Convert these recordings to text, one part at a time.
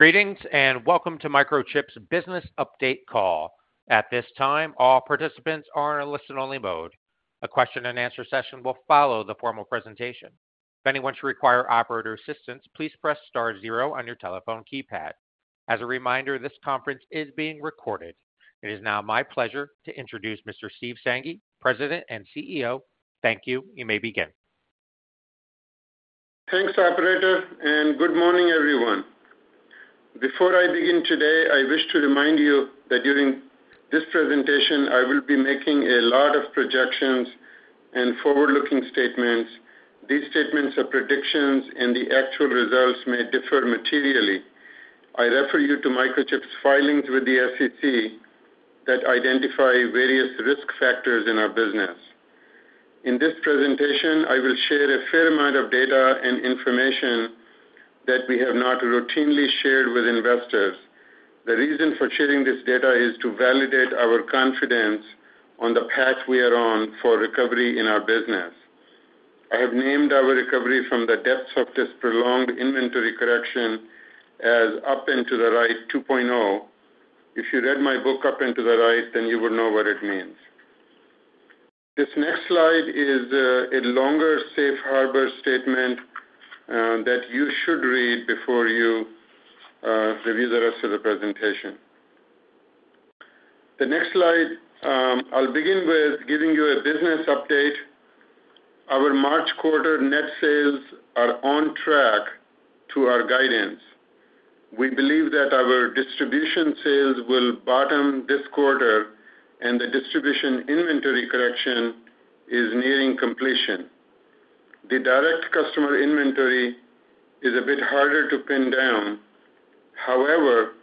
Greetings and Welcome to Microchip's Business Update Call. At this time, all participants are in a listen-only mode. A question-and-answer session will follow the formal presentation. If anyone should require operator assistance, please press star zero on your telephone keypad. As a reminder, this conference is being recorded. It is now my pleasure to introduce Mr. Steve Sanghi, President and CEO. Thank you. You may begin. Thanks, Operator, and good morning, everyone. Before I begin today, I wish to remind you that during this presentation, I will be making a lot of projections and forward-looking statements. These statements are predictions, and the actual results may differ materially. I refer you to Microchip's filings with the SEC that identify various risk factors in our business. In this presentation, I will share a fair amount of data and information that we have not routinely shared with investors. The reason for sharing this data is to validate our confidence on the path we are on for recovery in our business. I have named our recovery from the depths of this prolonged inventory correction as Up and to the Right 2.0. If you read my book, Up and to the Right, then you would know what it means. This next slide is a longer safe harbor statement that you should read before you review the rest of the presentation. The next slide, I'll begin with giving you a business update. Our March quarter net sales are on track to our guidance. We believe that our distribution sales will bottom this quarter, and the distribution inventory correction is nearing completion. The direct customer inventory is a bit harder to pin down. However,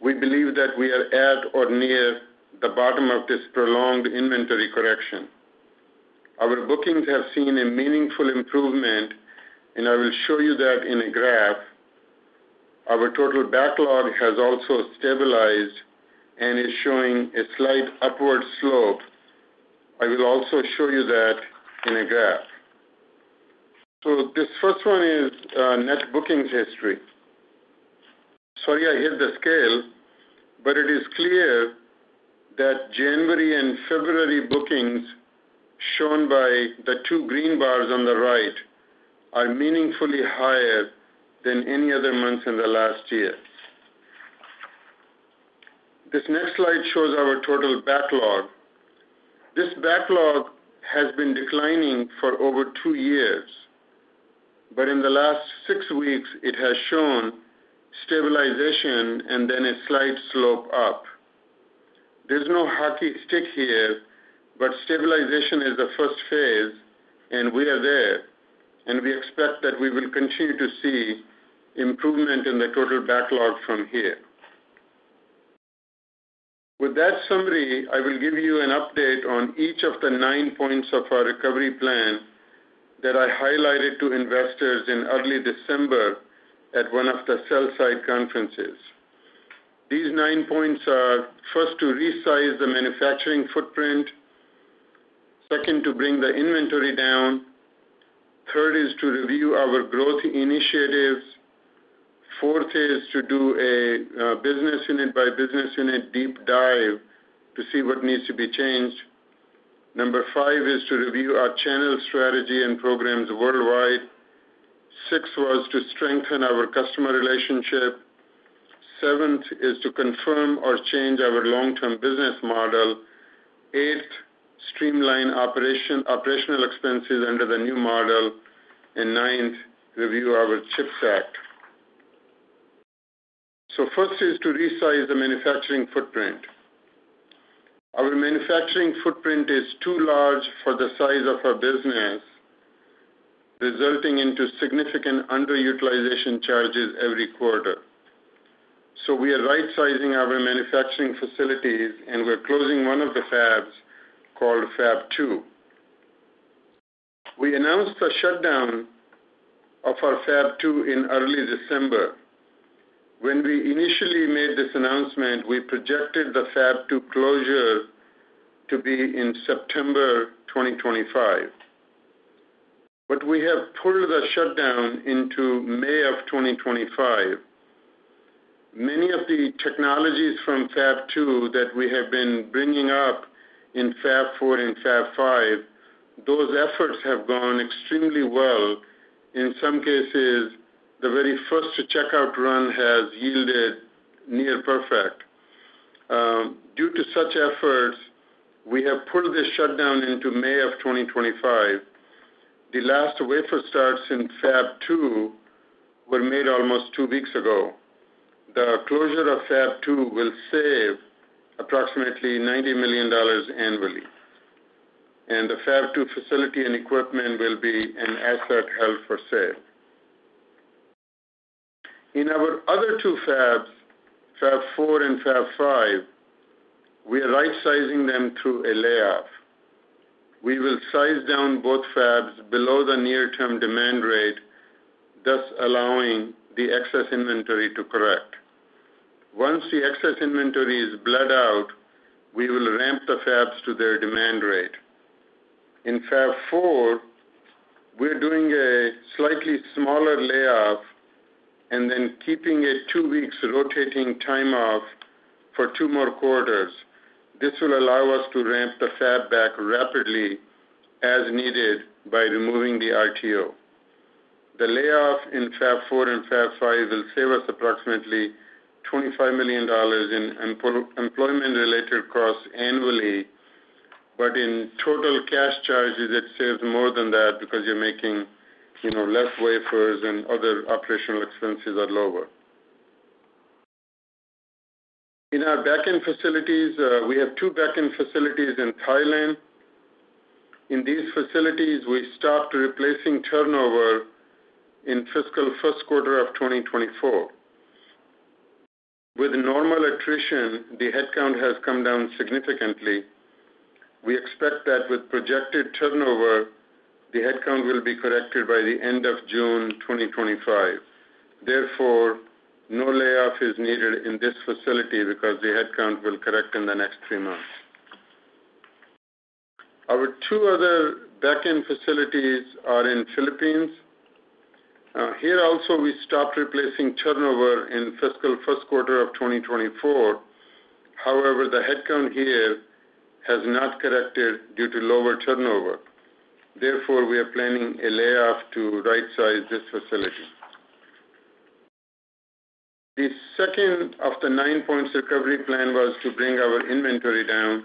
we believe that we are at or near the bottom of this prolonged inventory correction. Our bookings have seen a meaningful improvement, and I will show you that in a graph. Our total backlog has also stabilized and is showing a slight upward slope. I will also show you that in a graph. So this first one is net bookings history. Sorry, I hit the scale, but it is clear that January and February bookings shown by the two green bars on the right are meaningfully higher than any other months in the last year. This next slide shows our total backlog. This backlog has been declining for over two years, but in the last six weeks, it has shown stabilization and then a slight slope up. There's no hockey stick here, but stabilization is the first phase, and we are there, and we expect that we will continue to see improvement in the total backlog from here. With that summary, I will give you an update on each of the nine points of our recovery plan that I highlighted to investors in early December at one of the sell-side conferences. These 9 points are first to resize the manufacturing footprint, second to bring the inventory down, third is to review our growth initiatives, fourth is to do a business unit by business unit deep dive to see what needs to be changed, number five is to review our channel strategy and programs worldwide, sixth was to strengthen our customer relationship, seventh is to confirm or change our long-term business model, eighth streamline operational expenses under the new model, and ninth review our CHIPS Act. So first is to resize the manufacturing footprint. Our manufacturing footprint is too large for the size of our business, resulting in significant underutilization charges every quarter. So we are right-sizing our manufacturing facilities, and we're closing one of the fabs called Fab 2. We announced the shutdown of our Fab 2 in early December. When we initially made this announcement, we projected the Fab 2 closure to be in September 2025. But we have pulled the shutdown into May of 2025. Many of the technologies from Fab 2 that we have been bringing up in Fab 4 and Fab 5, those efforts have gone extremely well. In some cases, the very first checkout run has yielded near perfect. Due to such efforts, we have pulled the shutdown into May of 2025. The last wafer starts in Fab 2 were made almost two weeks ago. The closure of Fab 2 will save approximately $90 million annually, and the Fab 2 facility and equipment will be an asset held for sale. In our other two fabs, Fab 4 and Fab 5, we are right-sizing them through a layoff. We will size down both fabs below the near-term demand rate, thus allowing the excess inventory to correct. Once the excess inventory is bled out, we will ramp the fabs to their demand rate. In Fab 4, we're doing a slightly smaller layoff and then keeping a two-week rotating time off for two more quarters. This will allow us to ramp the fab back rapidly as needed by removing the RTO. The layoff in Fab 4 and Fab 5 will save us approximately $25 million in employment-related costs annually, but in total cash charges, it saves more than that because you're making less wafers and other operational expenses are lower. In our back-end facilities, we have two back-end facilities in Thailand. In these facilities, we stopped replacing turnover in fiscal Q1 of 2024. With normal attrition, the headcount has come down significantly. We expect that with projected turnover, the headcount will be corrected by the end of June 2025. Therefore, no layoff is needed in this facility because the headcount will correct in the next three months. Our two other back-end facilities are in the Philippines. Here also, we stopped replacing turnover in fiscal Q1 of 2024. However, the headcount here has not corrected due to lower turnover. Therefore, we are planning a layoff to right-size this facility. The second of the nine points recovery plan was to bring our inventory down.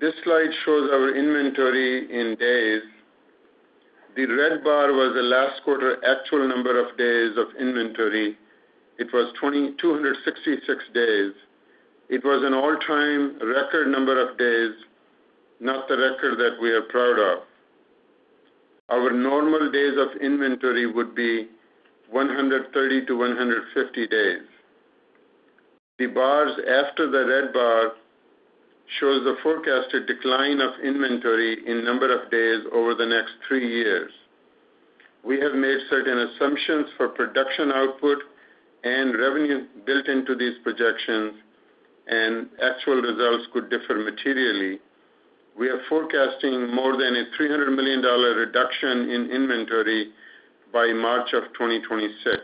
This slide shows our inventory in days. The red bar was the last quarter actual number of days of inventory. It was 266 days. It was an all-time record number of days, not the record that we are proud of. Our normal days of inventory would be 130 to 150 days. The bars after the red bar show the forecasted decline of inventory in number of days over the next three years. We have made certain assumptions for production output and revenue built into these projections, and actual results could differ materially. We are forecasting more than a $300 million reduction in inventory by March of 2026.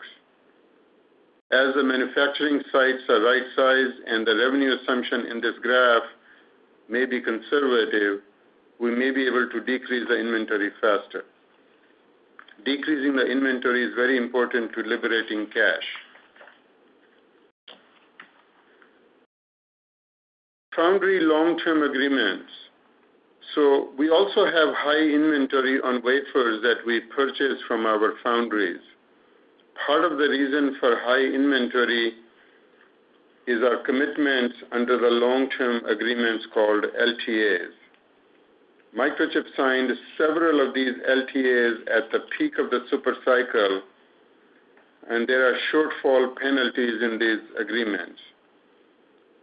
As the manufacturing sites are right-sized and the revenue assumption in this graph may be conservative, we may be able to decrease the inventory faster. Decreasing the inventory is very important to liberating cash. Foundry long-term agreements. So we also have high inventory on wafers that we purchase from our foundries. Part of the reason for high inventory is our commitment under the long-term agreements called LTAs. Microchip signed several of these LTAs at the peak of the supercycle, and there are shortfall penalties in these agreements.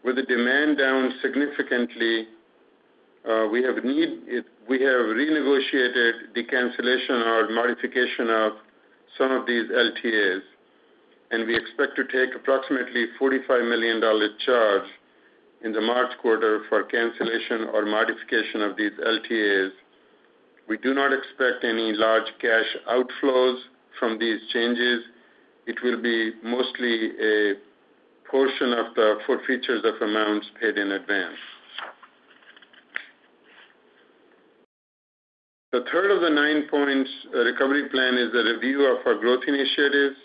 With the demand down significantly, we have renegotiated the cancellation or modification of some of these LTAs, and we expect to take approximately $45 million charge in the March quarter for cancellation or modification of these LTAs. We do not expect any large cash outflows from these changes. It will be mostly a portion of the forfeiture of amounts paid in advance. The third of the nine-point recovery plan is the review of our growth initiatives,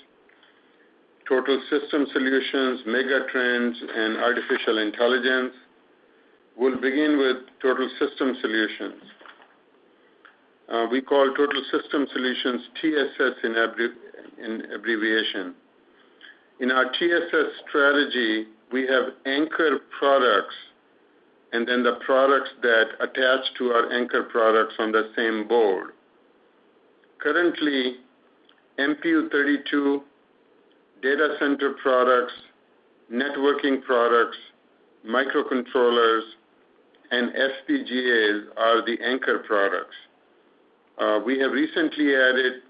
Total System Solutions, Megatrends, and artificial intelligence. We'll begin with Total System Solutions. We call Total System Solutions TSS, in abbreviation. In our TSS strategy, we have anchor products and then the products that attach to our anchor products on the same board. Currently, MPU-32, data center products, networking products, microcontrollers, and FPGAs are the anchor products. We have recently added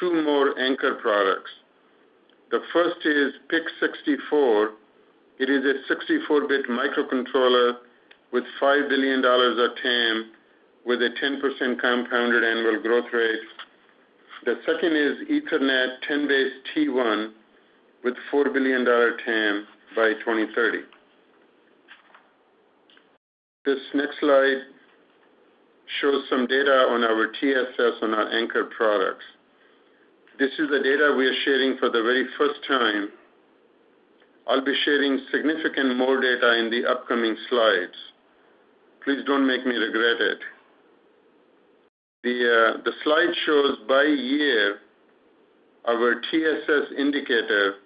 two more anchor products. The first is PIC64. It is a 64-bit microcontroller with $5 billion of TAM, with a 10% compounded annual growth rate. The second is Ethernet 10BASE-T1S with $4 billion TAM by 2030. This next slide shows some data on our TSS on our anchor products. This is the data we are sharing for the very first time. I'll be sharing significant more data in the upcoming slides. Please don't make me regret it. The slide shows by year our TSS indicator,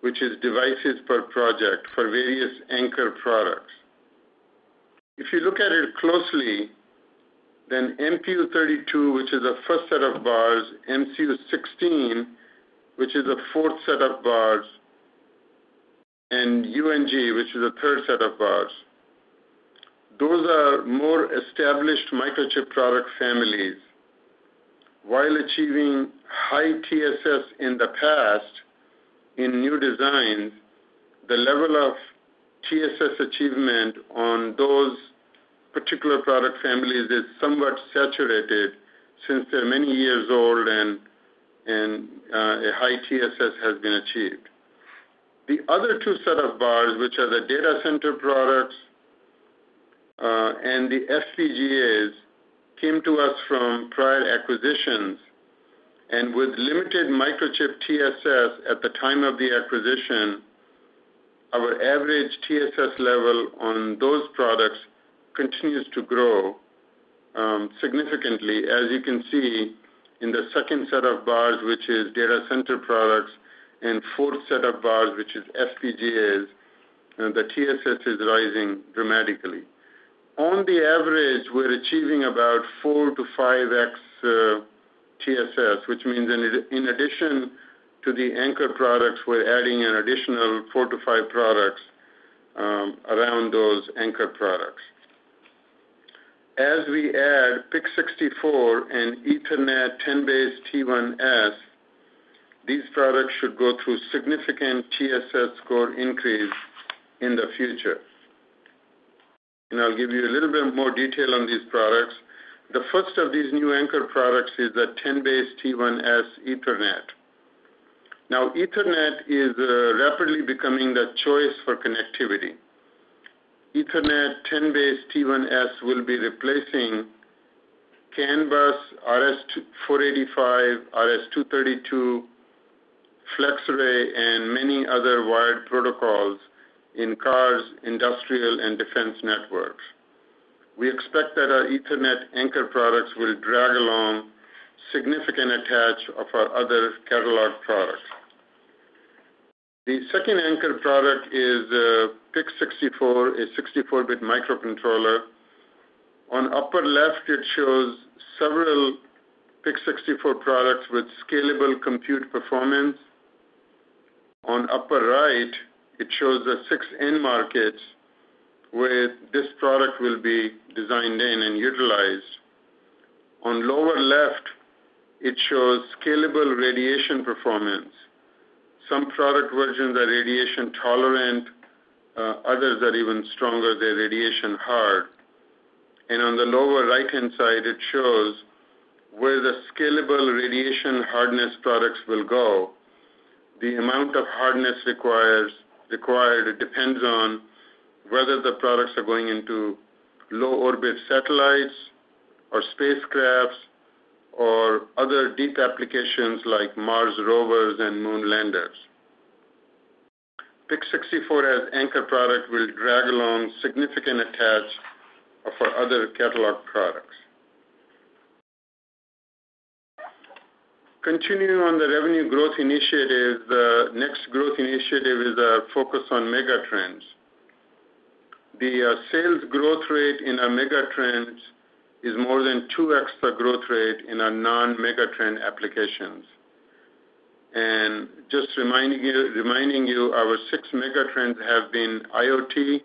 which is devices per project for various anchor products. If you look at it closely, then MPU-32, which is a first set of bars, MCU16, which is a fourth set of bars, and UNG, which is a third set of bars. Those are more established Microchip product families. While achieving high TSS in the past in new designs, the level of TSS achievement on those particular product families is somewhat saturated since they're many years old and a high TSS has been achieved. The other two set of bars, which are the data center products and the FPGAs, came to us from prior acquisitions, and with limited Microchip TSS at the time of the acquisition, our average TSS level on those products continues to grow significantly. As you can see in the second set of bars, which is data center products, and fourth set of bars, which is FPGAs, the TSS is rising dramatically. On the average, we're achieving about 4-5x TSS, which means in addition to the anchor products, we're adding an additional four to five products around those anchor products. As we add PIC64 and 10BASE-T1S Ethernet, these products should go through significant TSS score increase in the future. And I'll give you a little bit more detail on these products. The first of these new anchor products is the 10BASE-T1S Ethernet. Now, Ethernet is rapidly becoming the choice for connectivity. 10BASE-T1S Ethernet will be replacing CAN Bus, RS485, RS232, FlexRay, and many other wired protocols in cars, industrial, and defense networks. We expect that our Ethernet anchor products will drag along significant attach of our other catalog products. The second anchor product is PIC64, a 64-bit microcontroller. On upper left, it shows several PIC64 products with scalable compute performance. On upper right, it shows the six end markets where this product will be designed in and utilized. On lower left, it shows scalable radiation performance. Some product versions are radiation tolerant. Others are even stronger. They're radiation hard. On the lower right-hand side, it shows where the scalable radiation hardness products will go. The amount of hardness required depends on whether the products are going into low-orbit satellites or spacecrafts or other deep applications like Mars rovers and moon landers. PIC64 as anchor product will drag along significant attach for other catalog products. Continuing on the revenue growth initiative, the next growth initiative is a focus on Megatrends. The sales growth rate in our Megatrends is more than 2X the growth rate in our non-Megatrend applications. Just reminding you, our six Megatrends have been IoT,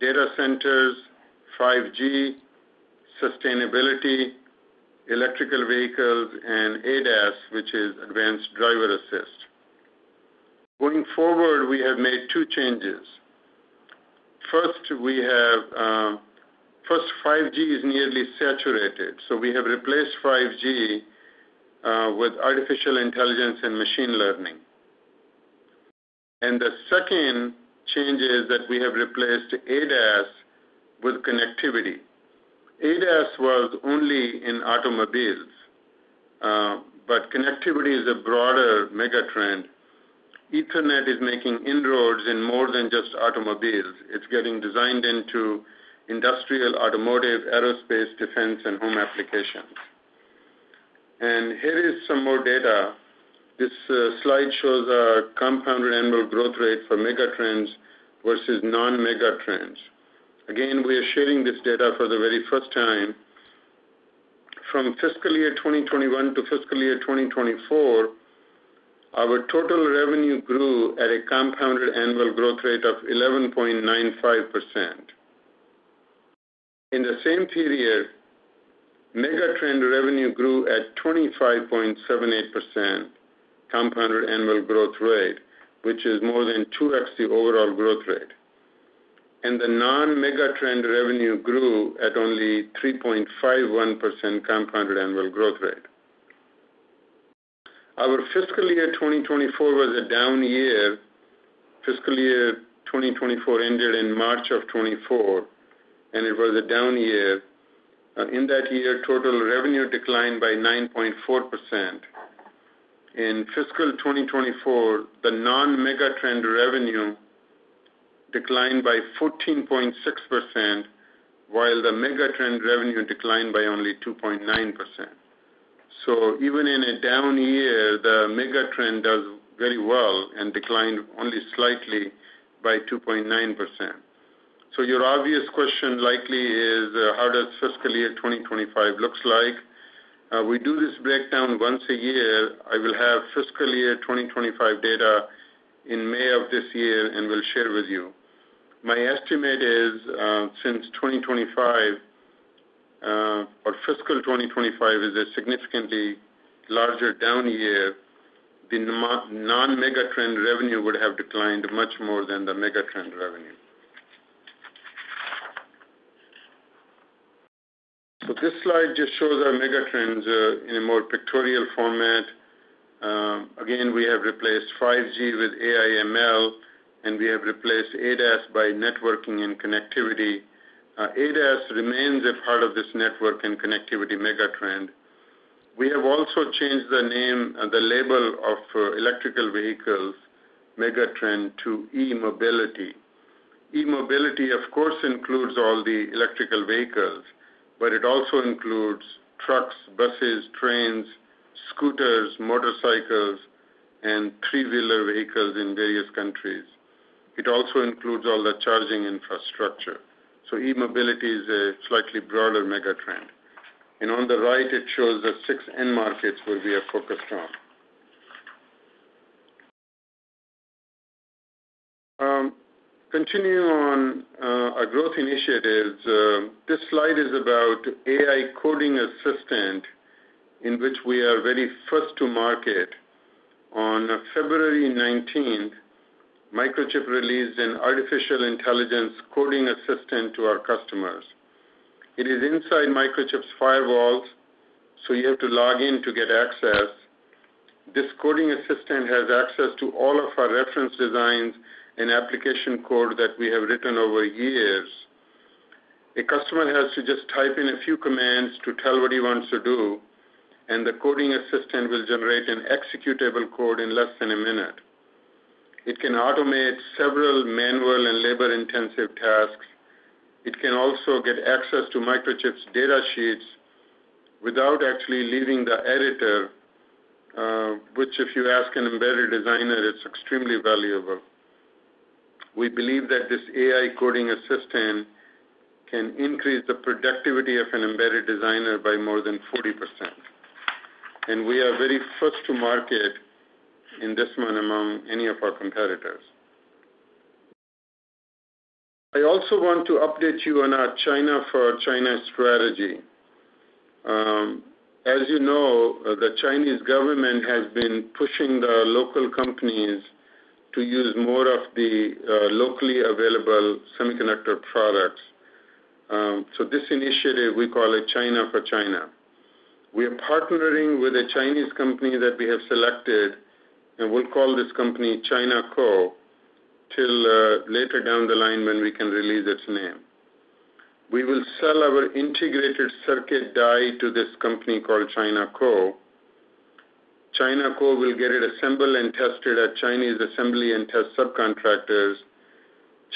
data centers, 5G, sustainability, electric vehicles, and ADAS, which is advanced driver assistance. Going forward, we have made two changes. First, 5G is nearly saturated, so we have replaced 5G with artificial intelligence and machine learning. And the second change is that we have replaced ADAS with connectivity. ADAS was only in automobiles, but connectivity is a broader Megatrend. Ethernet is making inroads in more than just automobiles. It's getting designed into industrial, automotive, aerospace, defense, and home applications. And here is some more data. This slide shows a compound annual growth rate for Megatrends versus non-Megatrends. Again, we are sharing this data for the very first time. From FY 2021 to FY 2024, our total revenue grew at a compound annual growth rate of 11.95%. In the same period, Megatrend revenue grew at 25.78% compound annual growth rate, which is more than 2X the overall growth rate. And the non-Megatrend revenue grew at only 3.51% compound annual growth rate. Our FY 2024 was a down year. FY 2024 ended in March of 2024, and it was a down year. In that year, total revenue declined by 9.4%. In fiscal 2024, the non-Megatrend revenue declined by 14.6%, while the Megatrend revenue declined by only 2.9%. So even in a down year, the Megatrend does very well and declined only slightly by 2.9%. So your obvious question likely is, how does FY 2025 look like? We do this breakdown once a year. I will have FY 2025 data in May of this year and will share with you. My estimate is since 2025, or fiscal 2025, is a significantly larger down year. The non-Megatrend revenue would have declined much more than the Megatrend revenue. So this slide just shows our Megatrends in a more pictorial format. Again, we have replaced 5G with AI/ML, and we have replaced ADAS by networking and connectivity. ADAS remains a part of this network and connectivity Megatrend. We have also changed the name and the label of electric vehicles Megatrend to e-mobility. E-mobility, of course, includes all the electric vehicles, but it also includes trucks, buses, trains, scooters, motorcycles, and three-wheeler vehicles in various countries. It also includes all the charging infrastructure, so e-mobility is a slightly broader Megatrend, and on the right, it shows the 6N markets where we are focused on. Continuing on our growth initiatives, this slide is about AI Coding Assistant in which we are very first to market. On February 19th, Microchip released an artificial intelligence Coding Assistant to our customers. It is inside Microchip's firewalls, so you have to log in to get access. This coding assistant has access to all of our reference designs and application code that we have written over years. A customer has to just type in a few commands to tell what he wants to do, and the coding assistant will generate an executable code in less than a minute. It can automate several manual and labor-intensive tasks. It can also get access to Microchip's data sheets without actually leaving the editor, which, if you ask an embedded designer, it's extremely valuable. We believe that this AI coding assistant can increase the productivity of an embedded designer by more than 40%. And we are very first to market in this one among any of our competitors. I also want to update you on our China for China strategy. As you know, the Chinese government has been pushing the local companies to use more of the locally available semiconductor products. This initiative, we call it China for China. We are partnering with a Chinese company that we have selected, and we'll call this company ChinaCo till later down the line when we can release its name. We will sell our integrated circuit die to this company called ChinaCo. ChinaCo will get it assembled and tested at Chinese assembly and test subcontractors.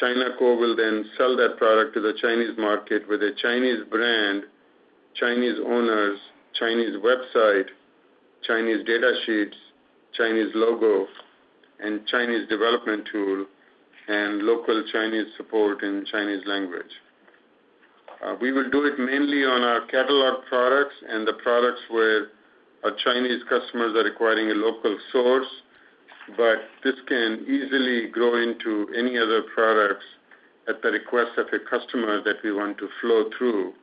ChinaCo will then sell that product to the Chinese market with a Chinese brand, Chinese owners, Chinese website, Chinese data sheets, Chinese logo, and Chinese development tool, and local Chinese support in Chinese language. We will do it mainly on our catalog products and the products where our Chinese customers are requiring a local source, but this can easily grow into any other products at the request of a customer that we want to flow through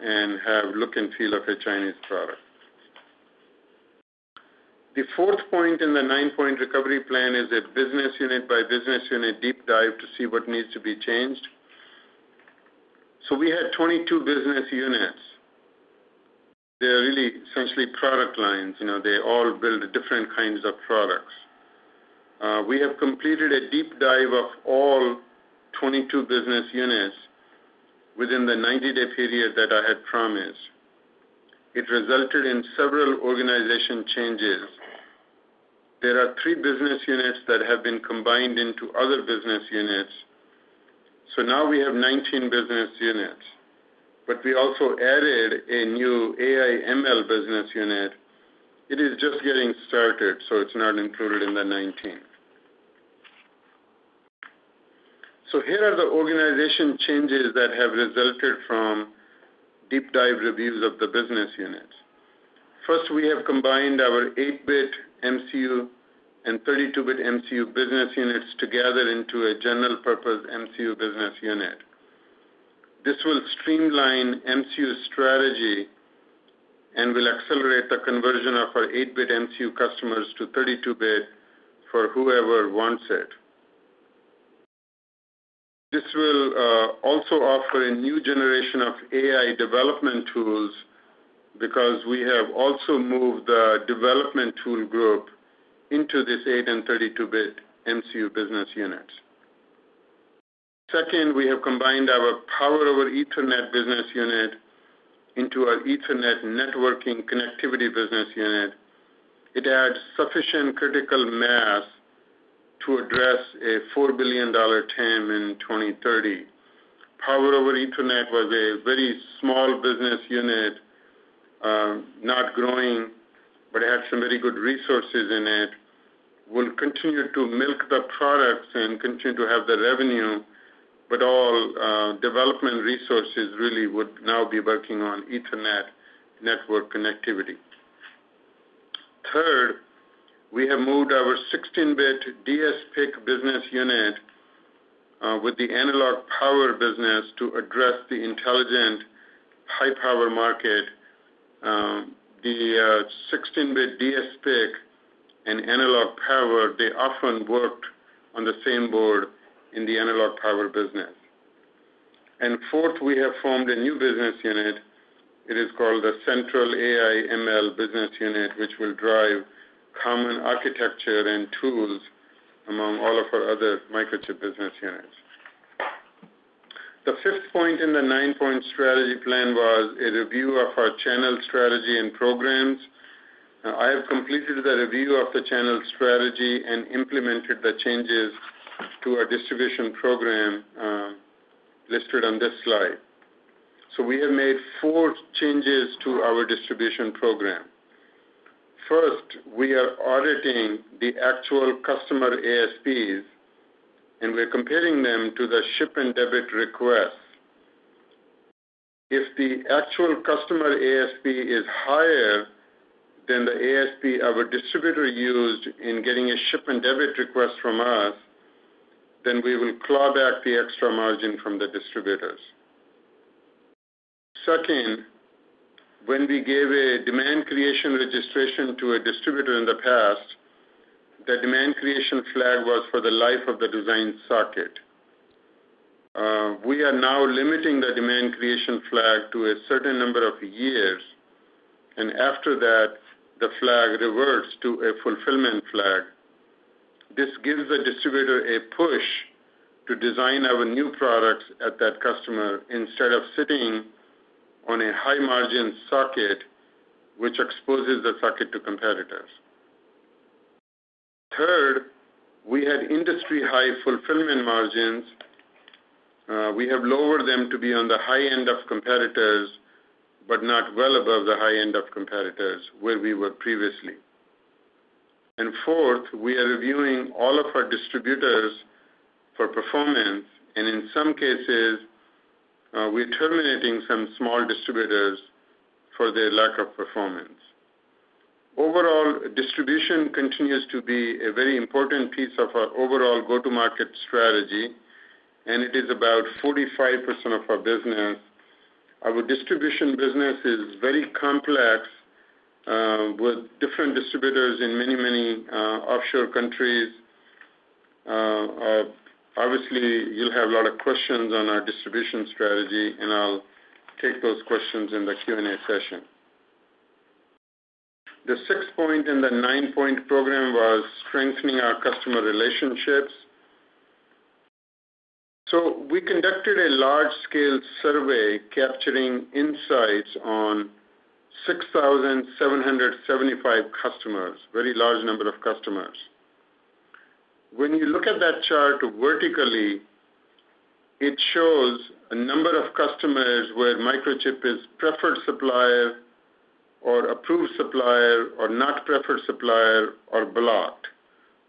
and have look and feel of a Chinese product. The fourth point in the nine-point recovery plan is a business unit by business unit deep dive to see what needs to be changed. So we had 22 business units. They're really essentially product lines. They all build different kinds of products. We have completed a deep dive of all 22 business units within the 90-day period that I had promised. It resulted in several organizational changes. There are three business units that have been combined into other business units. So now we have 19 business units, but we also added a new AI/ML business unit. It is just getting started, so it's not included in the 19. So here are the organizational changes that have resulted from deep dive reviews of the business units. First, we have combined our 8-bit MCU and 32-bit MCU business units together into a general-purpose MCU business unit. This will streamline MCU strategy and will accelerate the conversion of our 8-bit MCU customers to 32-bit for whoever wants it. This will also offer a new generation of AI development tools because we have also moved the development tool group into this 8 and 32-bit MCU business units. Second, we have combined our Power over Ethernet business unit into our Ethernet networking connectivity business unit. It adds sufficient critical mass to address a $4 billion TAM in 2030. Power over Ethernet was a very small business unit, not growing, but it had some very good resources in it. We'll continue to milk the products and continue to have the revenue, but all development resources really would now be working on Ethernet network connectivity. Third, we have moved our 16-bit dsPIC business unit with the analog power business to address the intelligent high-power market. The 16-bit dsPIC and analog power, they often worked on the same board in the analog power business. Fourth, we have formed a new business unit. It is called the Central AI/ML business unit, which will drive common architecture and tools among all of our other Microchip business units. The fifth point in the nine-point strategy plan was a review of our channel strategy and programs. I have completed the review of the channel strategy and implemented the changes to our distribution program listed on this slide. We have made four changes to our distribution program. First, we are auditing the actual customer ASPs, and we're comparing them to the ship and debit requests. If the actual customer ASP is higher than the ASP our distributor used in getting a ship and debit request from us, then we will claw back the extra margin from the distributors. Second, when we gave a demand creation registration to a distributor in the past, the demand creation flag was for the life of the design socket. We are now limiting the demand creation flag to a certain number of years, and after that, the flag reverts to a fulfillment flag. This gives the distributor a push to design our new products at that customer instead of sitting on a high-margin socket, which exposes the socket to competitors. Third, we had industry-high fulfillment margins. We have lowered them to be on the high end of competitors but not well above the high end of competitors where we were previously, and fourth, we are reviewing all of our distributors for performance, and in some cases, we're terminating some small distributors for their lack of performance. Overall, distribution continues to be a very important piece of our overall go-to-market strategy, and it is about 45% of our business. Our distribution business is very complex with different distributors in many, many offshore countries. Obviously, you'll have a lot of questions on our distribution strategy, and I'll take those questions in the Q&A session. The sixth point in the nine-point program was strengthening our customer relationships, so we conducted a large-scale survey capturing insights on 6,775 customers, a very large number of customers. When you look at that chart vertically, it shows a number of customers where Microchip is preferred supplier or approved supplier or not preferred supplier or blocked.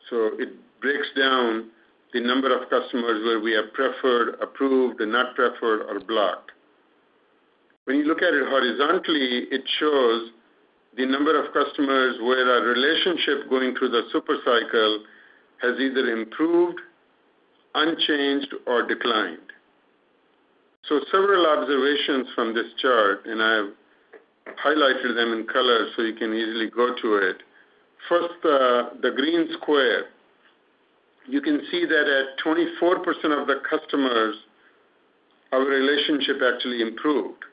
So it breaks down the number of customers where we are preferred, approved, and not preferred or blocked. When you look at it horizontally, it shows the number of customers where our relationship going through the supercycle has either improved, unchanged, or declined. So several observations from this chart, and I've highlighted them in color so you can easily go to it. First, the green square. You can see that at 24% of the customers, our relationship actually improved.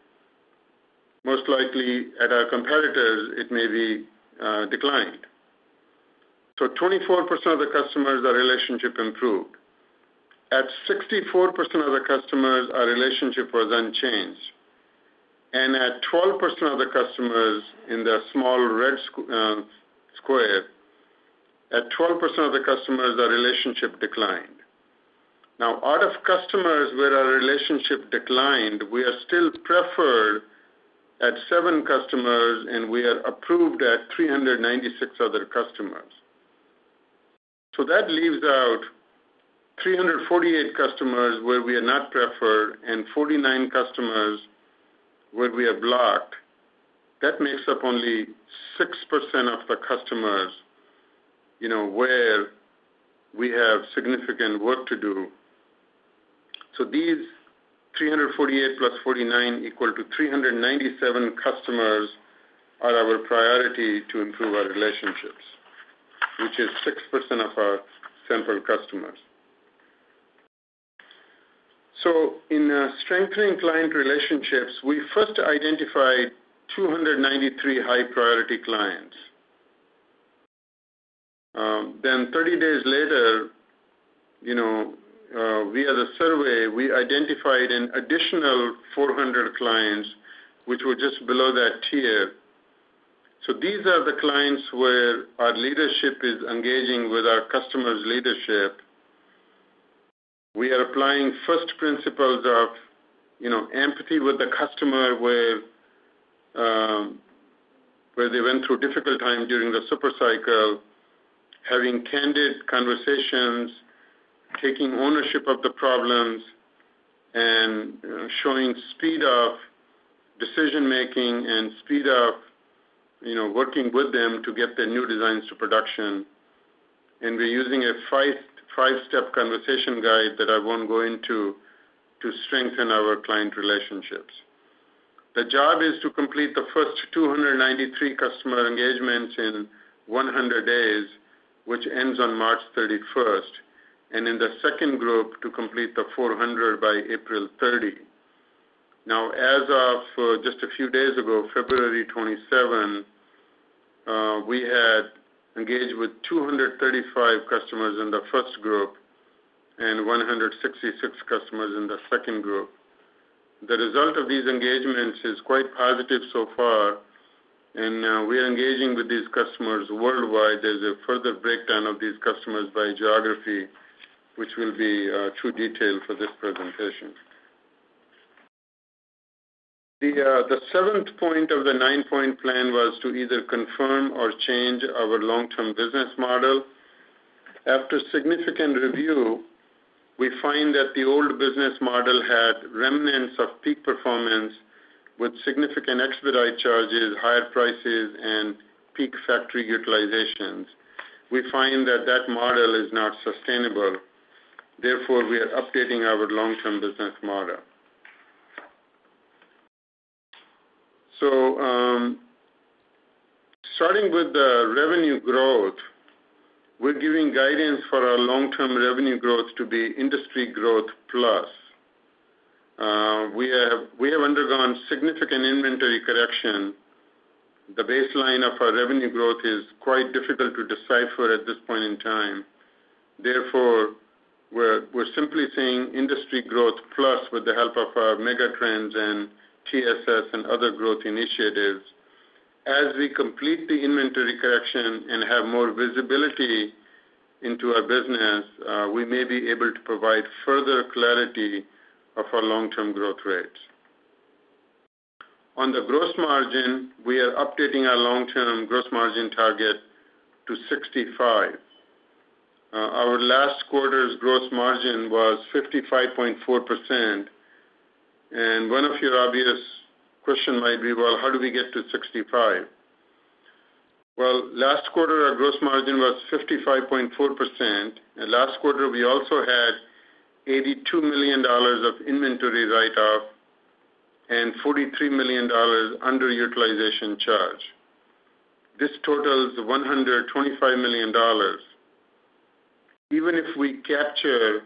Most likely, at our competitors, it may be declined. So 24% of the customers, our relationship improved. At 64% of the customers, our relationship was unchanged. At 12% of the customers in the small red square, at 12% of the customers, our relationship declined. Now, out of customers where our relationship declined, we are still preferred at seven customers, and we are approved at 396 other customers. That leaves out 348 customers where we are not preferred and 49 customers where we are blocked. That makes up only 6% of the customers where we have significant work to do. These 348 plus 49 equal to 397 customers are our priority to improve our relationships, which is 6% of our central customers. In strengthening client relationships, we first identified 293 high-priority clients. 30 days later, via the survey, we identified an additional 400 clients, which were just below that tier. These are the clients where our leadership is engaging with our customer's leadership. We are applying first principles of empathy with the customer where they went through a difficult time during the supercycle, having candid conversations, taking ownership of the problems, and showing speed of decision-making and speed of working with them to get their new designs to production, and we're using a five-step conversation guide that I won't go into to strengthen our client relationships. The job is to complete the first 293 customer engagements in 100 days, which ends on March 31st, and in the second group, to complete the 400 by April 30. Now, as of just a few days ago, February 27, we had engaged with 235 customers in the first group and 166 customers in the second group. The result of these engagements is quite positive so far, and we are engaging with these customers worldwide. There's a further breakdown of these customers by geography, which will be true detail for this presentation. The seventh point of the nine-point plan was to either confirm or change our long-term business model. After significant review, we find that the old business model had remnants of peak performance with significant expedite charges, higher prices, and peak factory utilizations. We find that that model is not sustainable. Therefore, we are updating our long-term business model. So starting with the revenue growth, we're giving guidance for our long-term revenue growth to be industry growth plus. We have undergone significant inventory correction. The baseline of our revenue growth is quite difficult to decipher at this point in time. Therefore, we're simply saying industry growth plus with the help of our Megatrends and TSS and other growth initiatives. As we complete the inventory correction and have more visibility into our business, we may be able to provide further clarity of our long-term growth rates. On the gross margin, we are updating our long-term gross margin target to 65. Our last quarter's gross margin was 55.4%. And one of your obvious questions might be, "Well, how do we get to 65?" Well, last quarter, our gross margin was 55.4%. Last quarter, we also had $82 million of inventory write-off and $43 million under utilization charge. This totals $125 million. Even if we capture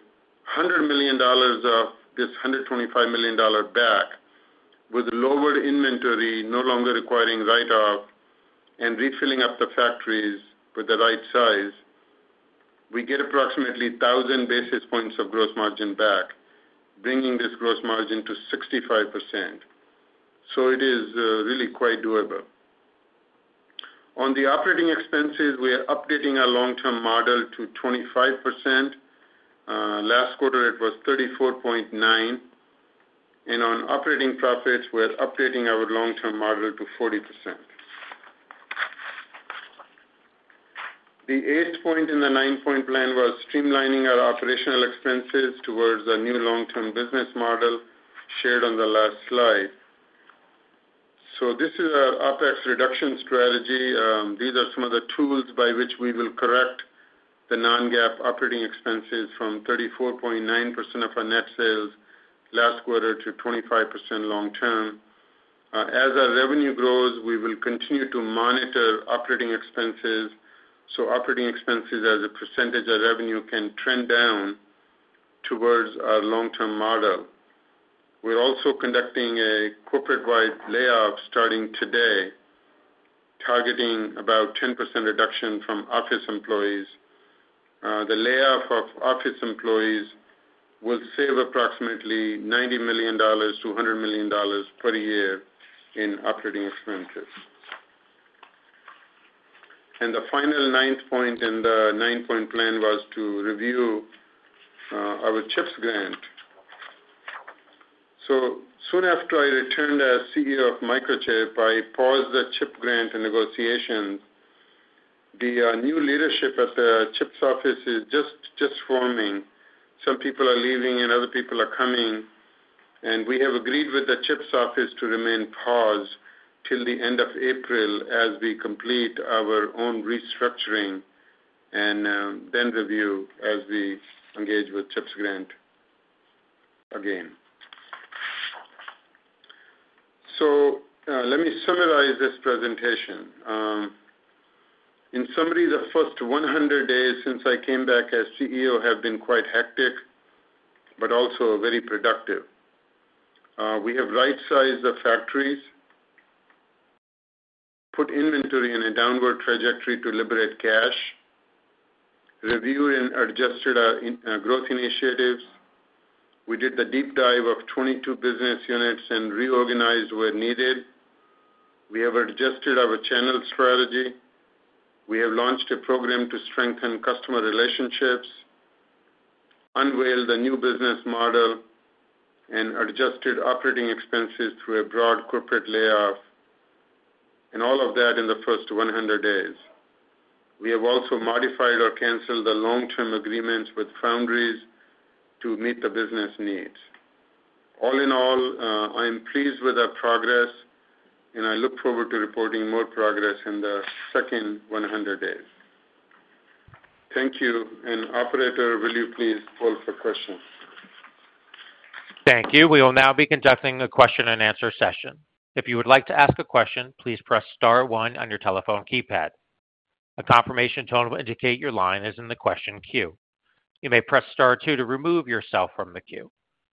$100 million of this $125 million back with lowered inventory, no longer requiring write-off, and refilling up the factories with the right size, we get approximately 1,000 basis points of gross margin back, bringing this gross margin to 65%. So it is really quite doable. On the operating expenses, we are updating our long-term model to 25%. Last quarter, it was 34.9, and on operating profits, we're updating our long-term model to 40%. The eighth point in the nine-point plan was streamlining our operational expenses towards a new long-term business model shared on the last slide, so this is our OpEx reduction strategy. These are some of the tools by which we will correct the non-GAAP operating expenses from 34.9% of our net sales last quarter to 25% long-term. As our revenue grows, we will continue to monitor operating expenses so operating expenses as a percentage of revenue can trend down towards our long-term model. We're also conducting a corporate-wide layoff starting today, targeting about 10% reduction from office employees. The layoff of office employees will save approximately $90 million-$100 million per year in operating expenses. The final ninth point in the nine-point plan was to review our CHIPS grant. Soon after I returned as CEO of Microchip, I paused the CHIPS grant negotiations. The new leadership at the CHIPS office is just forming. Some people are leaving, and other people are coming. We have agreed with the CHIPS office to remain paused till the end of April as we complete our own restructuring and then review as we engage with CHIPS grant again. Let me summarize this presentation. In summary, the first 100 days since I came back as CEO have been quite hectic but also very productive. We have right-sized the factories, put inventory in a downward trajectory to liberate cash, reviewed and adjusted our growth initiatives. We did the deep dive of 22 business units and reorganized where needed. We have adjusted our channel strategy. We have launched a program to strengthen customer relationships, unveiled a new business model, and adjusted operating expenses through a broad corporate layoff, and all of that in the first 100 days. We have also modified or canceled the long-term agreements with foundries to meet the business needs. All in all, I'm pleased with our progress, and I look forward to reporting more progress in the second 100 days. Thank you. Operator, will you please hold for questions? Thank you. We will now be conducting a question-and-answer session. If you would like to ask a question, please press star one on your telephone keypad. A confirmation tone will indicate your line is in the question queue. You may press star two to remove yourself from the queue.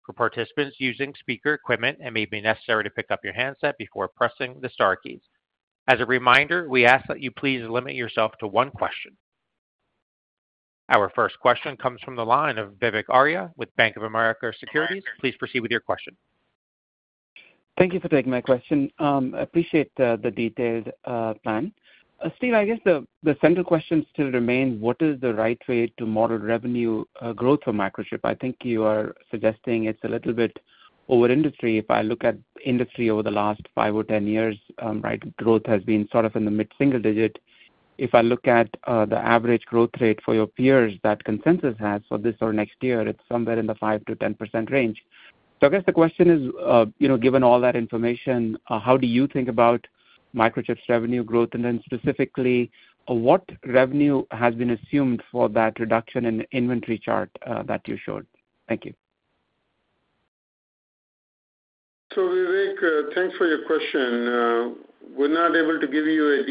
For participants using speaker equipment, it may be necessary to pick up your handset before pressing the star keys. As a reminder, we ask that you please limit yourself to one question. Our first question comes from the line of Vivek Arya with Bank of America Securities. Please proceed with your question. Thank you for taking my question. I appreciate the detailed plan. Steve, I guess the central question still remains, what is the right way to model revenue growth for Microchip? I think you are suggesting it's a little bit over industry. If I look at industry over the last five or 10 years, growth has been sort of in the mid-single digit. If I look at the average growth rate for your peers that Consensus has for this or next year, it's somewhere in the 5%-10% range. So I guess the question is, given all that information, how do you think about Microchip's revenue growth? And then specifically, what revenue has been assumed for that reduction in inventory chart that you showed? Thank you. So Vivek, thanks for your question. We're not able to give you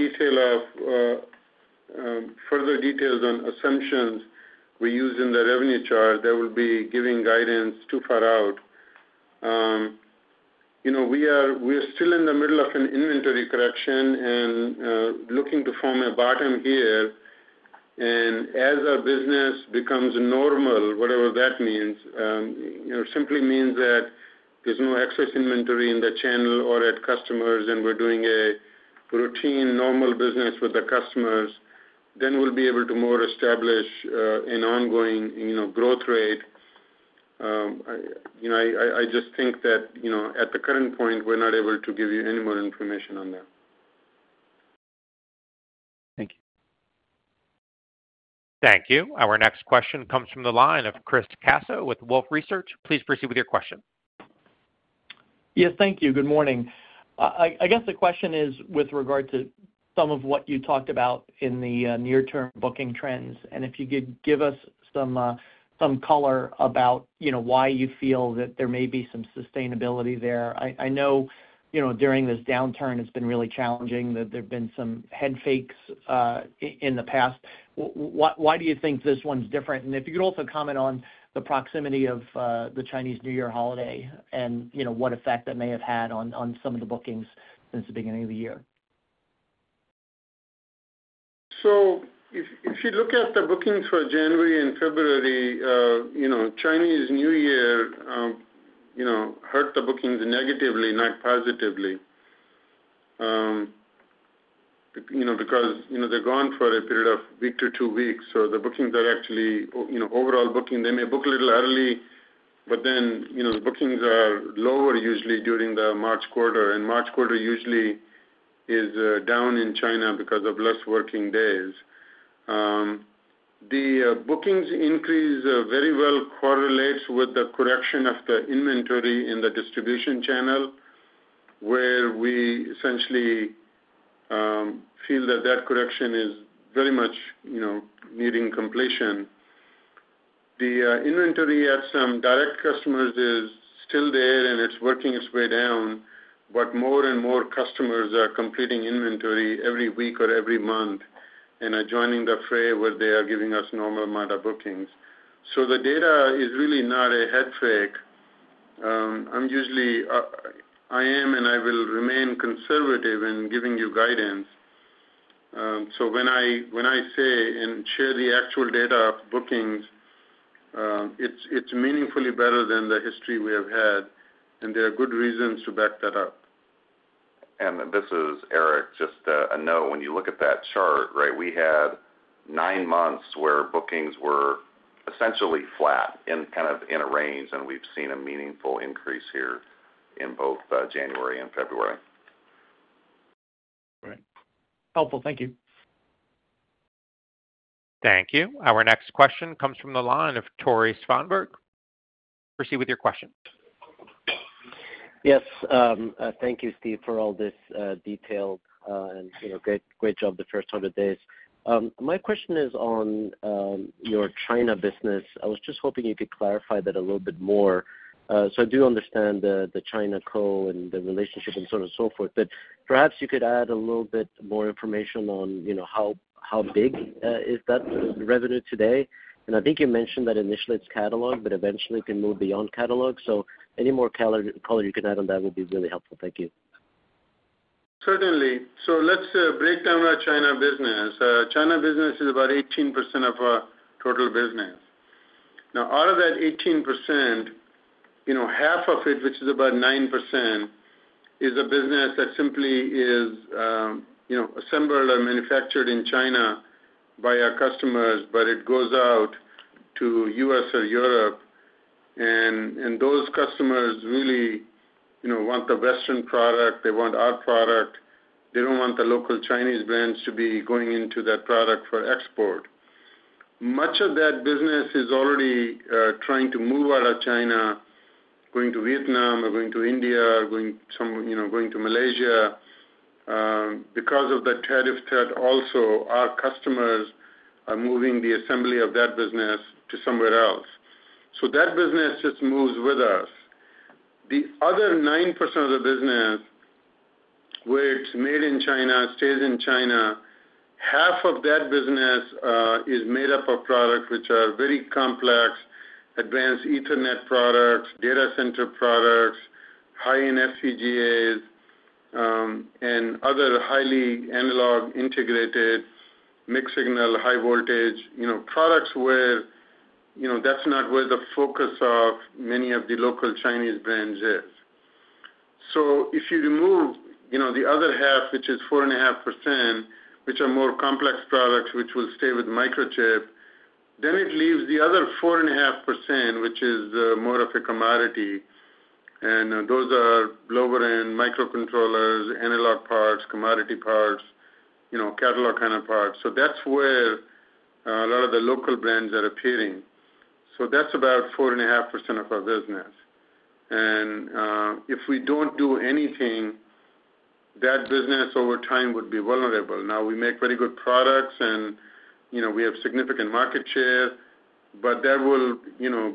further details on assumptions we use in the revenue chart. That would be giving guidance too far out. We are still in the middle of an inventory correction and looking to form a bottom here. And as our business becomes normal, whatever that means, it simply means that there's no excess inventory in the channel or at customers, and we're doing a routine normal business with the customers, then we'll be able to more establish an ongoing growth rate. I just think that at the current point, we're not able to give you any more information on that. Thank you. Thank you. Our next question comes from the line of Chris Caso with Wolfe Research. Please proceed with your question. Yes, thank you. Good morning. I guess the question is with regard to some of what you talked about in the near-term booking trends. And if you could give us some color about why you feel that there may be some sustainability there. I know during this downturn, it's been really challenging that there've been some head fakes in the past. Why do you think this one's different? And if you could also comment on the proximity of the Chinese New Year holiday and what effect that may have had on some of the bookings since the beginning of the year. So if you look at the bookings for January and February, Chinese New Year hurt the bookings negatively, not positively, because they're gone for a period of a week to two weeks. So the bookings are actually overall booking. They may book a little early, but then the bookings are lower usually during the March quarter, and March quarter usually is down in China because of less working days. The bookings increase very well correlates with the correction of the inventory in the distribution channel where we essentially feel that that correction is very much needing completion. The inventory at some direct customers is still there, and it's working its way down, but more and more customers are completing inventory every week or every month and are joining the fray where they are giving us normal amount of bookings, so the data is really not a head fake. I am and I will remain conservative in giving you guidance, so when I say and share the actual data of bookings, it's meaningfully better than the history we have had, and there are good reasons to back that up. And this is Eric, just a note. When you look at that chart, right, we had nine months where bookings were essentially flat in kind of in a range, and we've seen a meaningful increase here in both January and February. Right. Helpful. Thank you. Thank you. Our next question comes from the line of Tore Svanberg. Proceed with your question. Yes. Thank you, Steve, for all this detail and great job the first 100 days. My question is on your China business. I was just hoping you could clarify that a little bit more. So I do understand the ChinaCo and the relationship and so on and so forth, but perhaps you could add a little bit more information on how big is that revenue today? And I think you mentioned that initially it's catalog, but eventually it can move beyond catalog. So any more color you can add on that would be really helpful. Thank you. Certainly. So let's break down our China business. China business is about 18% of our total business. Now, out of that 18%, half of it, which is about 9%, is a business that simply is assembled or manufactured in China by our customers, but it goes out to U.S. or Europe. And those customers really want the Western product. They want our product. They don't want the local Chinese brands to be going into that product for export. Much of that business is already trying to move out of China, going to Vietnam or going to India or going to Malaysia because of the tariff threat. Also, our customers are moving the assembly of that business to somewhere else. So that business just moves with us. The other 9% of the business where it's made in China stays in China. Half of that business is made up of products which are very complex, advanced Ethernet products, data center products, high-end FPGAs, and other highly analog integrated mixed signal high-voltage products where that's not where the focus of many of the local Chinese brands is. So if you remove the other half, which is 4.5%, which are more complex products which will stay with Microchip, then it leaves the other 4.5%, which is more of a commodity. And those are lower-end microcontrollers, analog parts, commodity parts, catalog kind of parts. So that's where a lot of the local brands are appearing. So that's about 4.5% of our business. And if we don't do anything, that business over time would be vulnerable. Now, we make very good products, and we have significant market share, but that will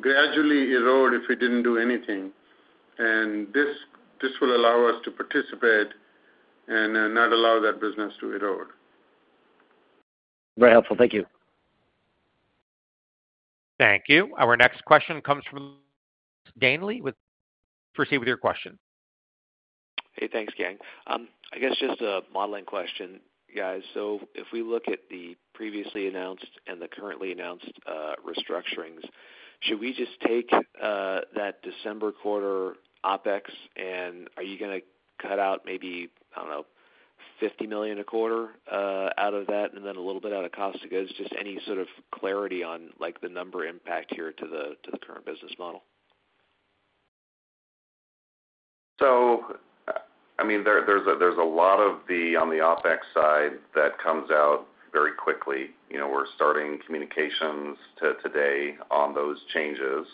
gradually erode if we didn't do anything. And this will allow us to participate and not allow that business to erode. Very helpful. Thank you. Thank you. Our next question comes from Christopher Danely. Proceed with your question. Hey, thanks, Dan. I guess just a modeling question, guys. So if we look at the previously announced and the currently announced restructurings, should we just take that December quarter OpEx and are you going to cut out maybe, I don't know, $50 million a quarter out of that and then a little bit out of COGS? Just any sort of clarity on the number impact here to the current business model? So. there's a lot of the on the OpEx side that comes out very quickly. We're starting communications today on those changes.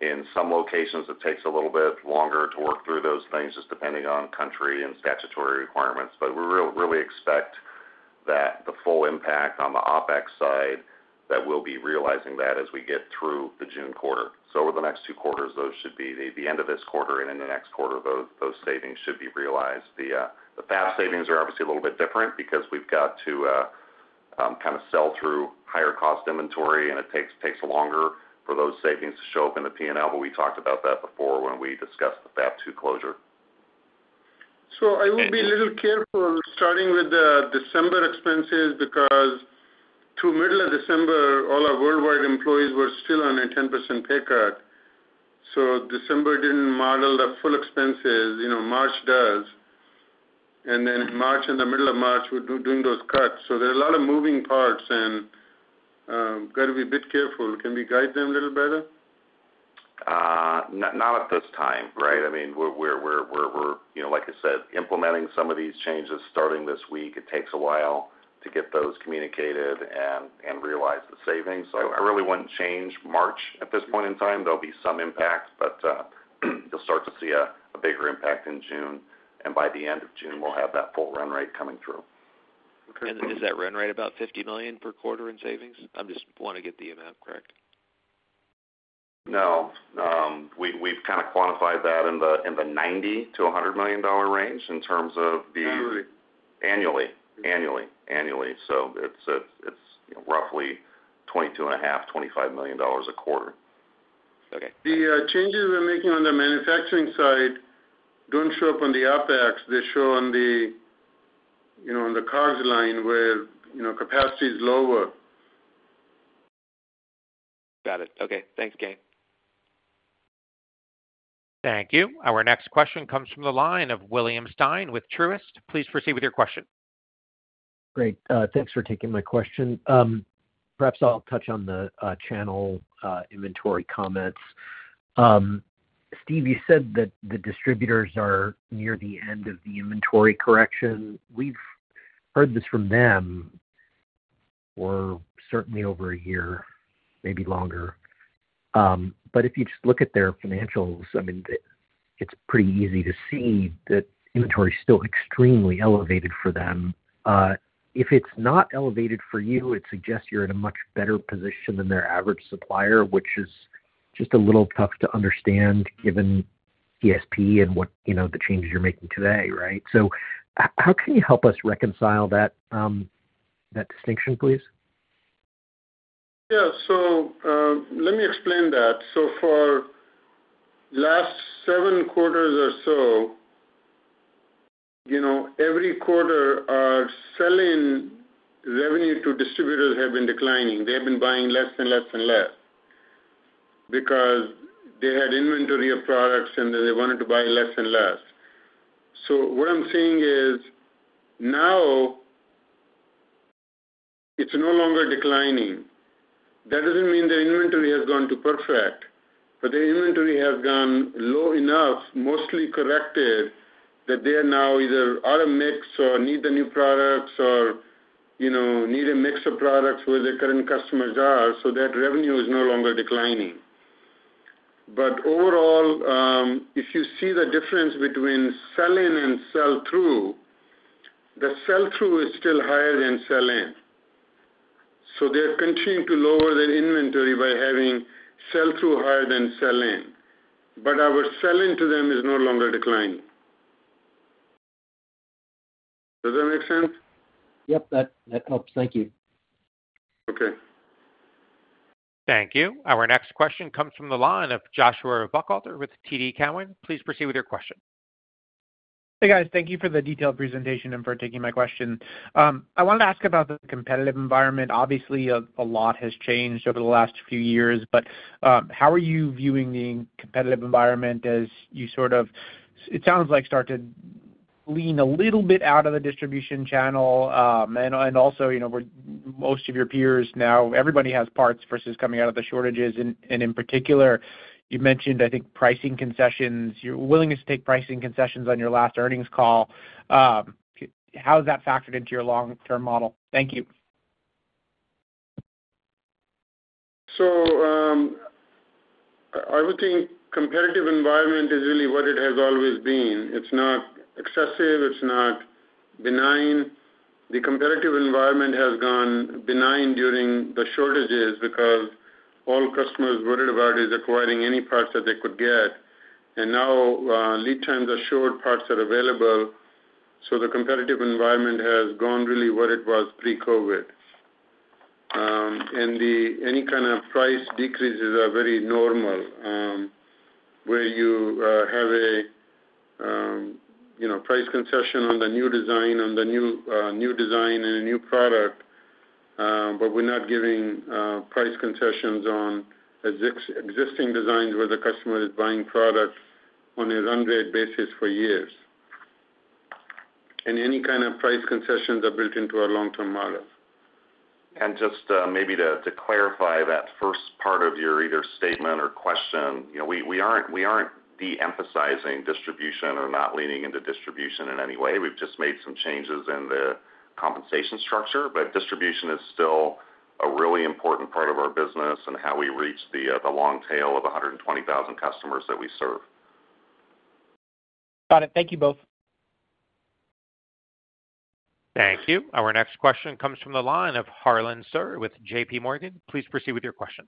In some locations, it takes a little bit longer to work through those things just depending on country and statutory requirements, but we really expect that the full impact on the OpEx side, that we'll be realizing that as we get through the June quarter, so over the next two quarters, those should be the end of this quarter, and in the next quarter, those savings should be realized. The Fab savings are obviously a little bit different because we've got to kind of sell through higher cost inventory, and it takes longer for those savings to show up in the P&L, but we talked about that before when we discussed the Fab 2 closure, so I will be a little careful starting with the December expenses because through middle of December, all our worldwide employees were still on a 10% pay cut, so December didn't model the full expenses. March does. And then in March and the middle of March, we're doing those cuts. So there are a lot of moving parts, and got to be a bit careful. Can we guide them a little better? Not at this time, right? We're, like I said, implementing some of these changes starting this week. It takes a while to get those communicated and realize the savings. So I really wouldn't change March at this point in time. There'll be some impact, but you'll start to see a bigger impact in June. And by the end of June, we'll have that full run rate coming through. Is that run rate about $50 million per quarter in savings? I just want to get the amount correct. No. We've kind of quantified that in the $90-$100 million range in terms of the annually. Annually. Annually. So it's roughly $22.5-$25 million a quarter. The changes we're making on the manufacturing side don't show up on the OpEx. They show on the COGS line where capacity is lower. Got it. Okay. Thanks, Dan. Thank you. Our next question comes from the line of William Stein with Truist. Please proceed with your question. Great. Thanks for taking my question. Perhaps I'll touch on the channel inventory comments. Steve, you said that the distributors are near the end of the inventory correction. We've heard this from them for certainly over a year, maybe longer. But if you just look at their financials, it's pretty easy to see that inventory is still extremely elevated for them. If it's not elevated for you, it suggests you're in a much better position than their average supplier, which is just a little tough to understand given ESP and the changes you're making today, right? So how can you help us reconcile that distinction, please? Yeah. So let me explain that. So for the last seven quarters or so, every quarter, our selling revenue to distributors has been declining. They have been buying less and less and less because they had inventory of products, and then they wanted to buy less and less. So what I'm seeing is now it's no longer declining. That doesn't mean the inventory has gone to perfect, but the inventory has gone low enough, mostly corrected, that they are now either out of mix or need the new products or need a mix of products where their current customers are. That revenue is no longer declining. But overall, if you see the difference between sell-in and sell-through, the sell-through is still higher than sell-in. So they're continuing to lower their inventory by having sell-through higher than sell-in. But our sell-in to them is no longer declining. Does that make sense? Yep. That helps. Thank you. Okay. Thank you. Our next question comes from the line of Joshua Buchalter with TD Cowen. Please proceed with your question. Hey, guys. Thank you for the detailed presentation and for taking my question. I wanted to ask about the competitive environment. Obviously, a lot has changed over the last few years, but how are you viewing the competitive environment as you sort of, it sounds like, start to lean a little bit out of the distribution channel? And also, most of your peers now, everybody has parts versus coming out of the shortages. And in particular, you mentioned pricing concessions, your willingness to take pricing concessions on your last earnings call. How has that factored into your long-term model? Thank you. So I would think competitive environment is really what it has always been. It's not excessive. It's not benign. The competitive environment has gone benign during the shortages because all customers worried about is acquiring any parts that they could get. And now lead times are short. Parts are available. So the competitive environment has gone really what it was pre-COVID. And any kind of price decreases are very normal where you have a price concession on the new design, on the new design, and a new product. But we're not giving price concessions on existing designs where the customer is buying product on a run rate basis for years. Any kind of price concessions are built into our long-term model. Just maybe to clarify that first part of your either statement or question, we aren't de-emphasizing distribution or not leaning into distribution in any way. We've just made some changes in the compensation structure, but distribution is still a really important part of our business and how we reach the long tail of 120,000 customers that we serve. Got it. Thank you both. Thank you. Our next question comes from the line of Harlan Sur with JPMorgan. Please proceed with your question.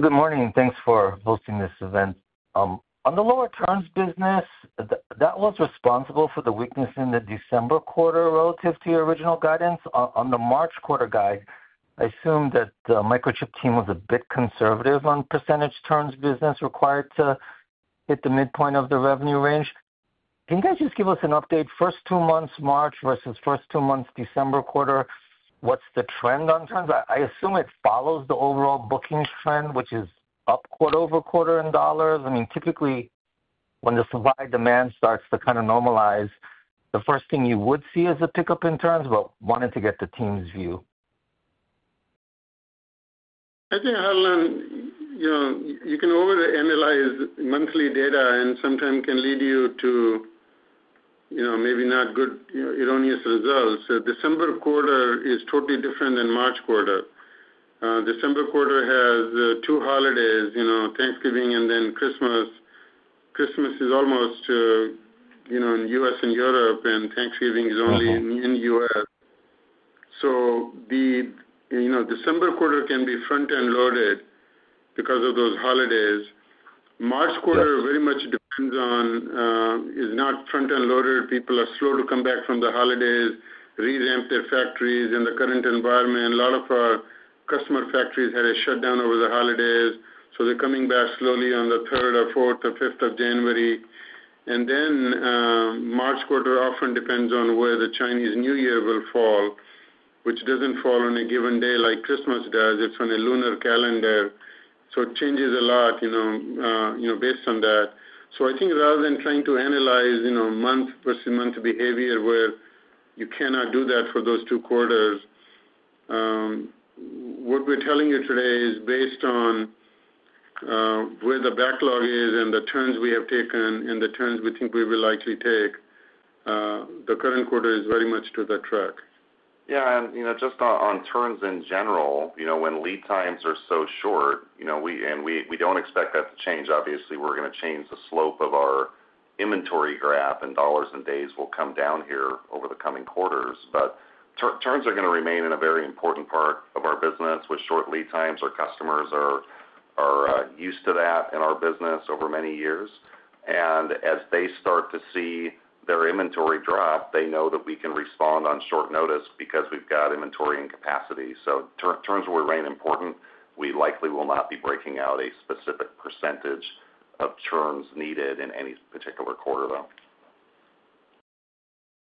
Good morning. Thanks for hosting this event. On the lower turns business, that was responsible for the weakness in the December quarter relative to your original guidance. On the March quarter guide, I assume that the Microchip team was a bit conservative on percentage turns business required to hit the midpoint of the revenue range. Can you guys just give us an update? First two months, March versus first two months, December quarter, what's the trend on terms? I assume it follows the overall booking trend, which is up quarter over quarter in dollars. Typically, when the supply demand starts to kind of normalize, the first thing you would see is a pickup in terms, but wanted to get the team's view. I think, Harlan, you can overly analyze monthly data and sometimes can lead you to maybe not good erroneous results. December quarter is totally different than March quarter. December quarter has two holidays, Thanksgiving and then Christmas. Christmas is almost in the U.S. and Europe, and Thanksgiving is only in the U.S. So the December quarter can be front-end loaded because of those holidays. March quarter very much depends on is not front-end loaded. People are slow to come back from the holidays to revamp their factories in the current environment. A lot of our customer factories had a shutdown over the holidays. So they're coming back slowly on the 3rd or 4th or 5th of January, and then the March quarter often depends on where the Chinese New Year will fall, which doesn't fall on a given day like Christmas does. It's on a lunar calendar so it changes a lot based on that, so rather than trying to analyze month versus month behavior where you cannot do that for those two quarters, what we're telling you today is based on where the backlog is and the turns we have taken and the turns we think we will likely take. The current quarter is very much on track. Yeah. Just on turns in general, when lead times are so short and we don't expect that to change, obviously, we're going to change the slope of our inventory graph, and dollars and days will come down here over the coming quarters. But turns are going to remain in a very important part of our business. With short lead times, our customers are used to that in our business over many years. And as they start to see their inventory drop, they know that we can respond on short notice because we've got inventory and capacity. So turns will remain important. We likely will not be breaking out a specific percentage of turns needed in any particular quarter, though.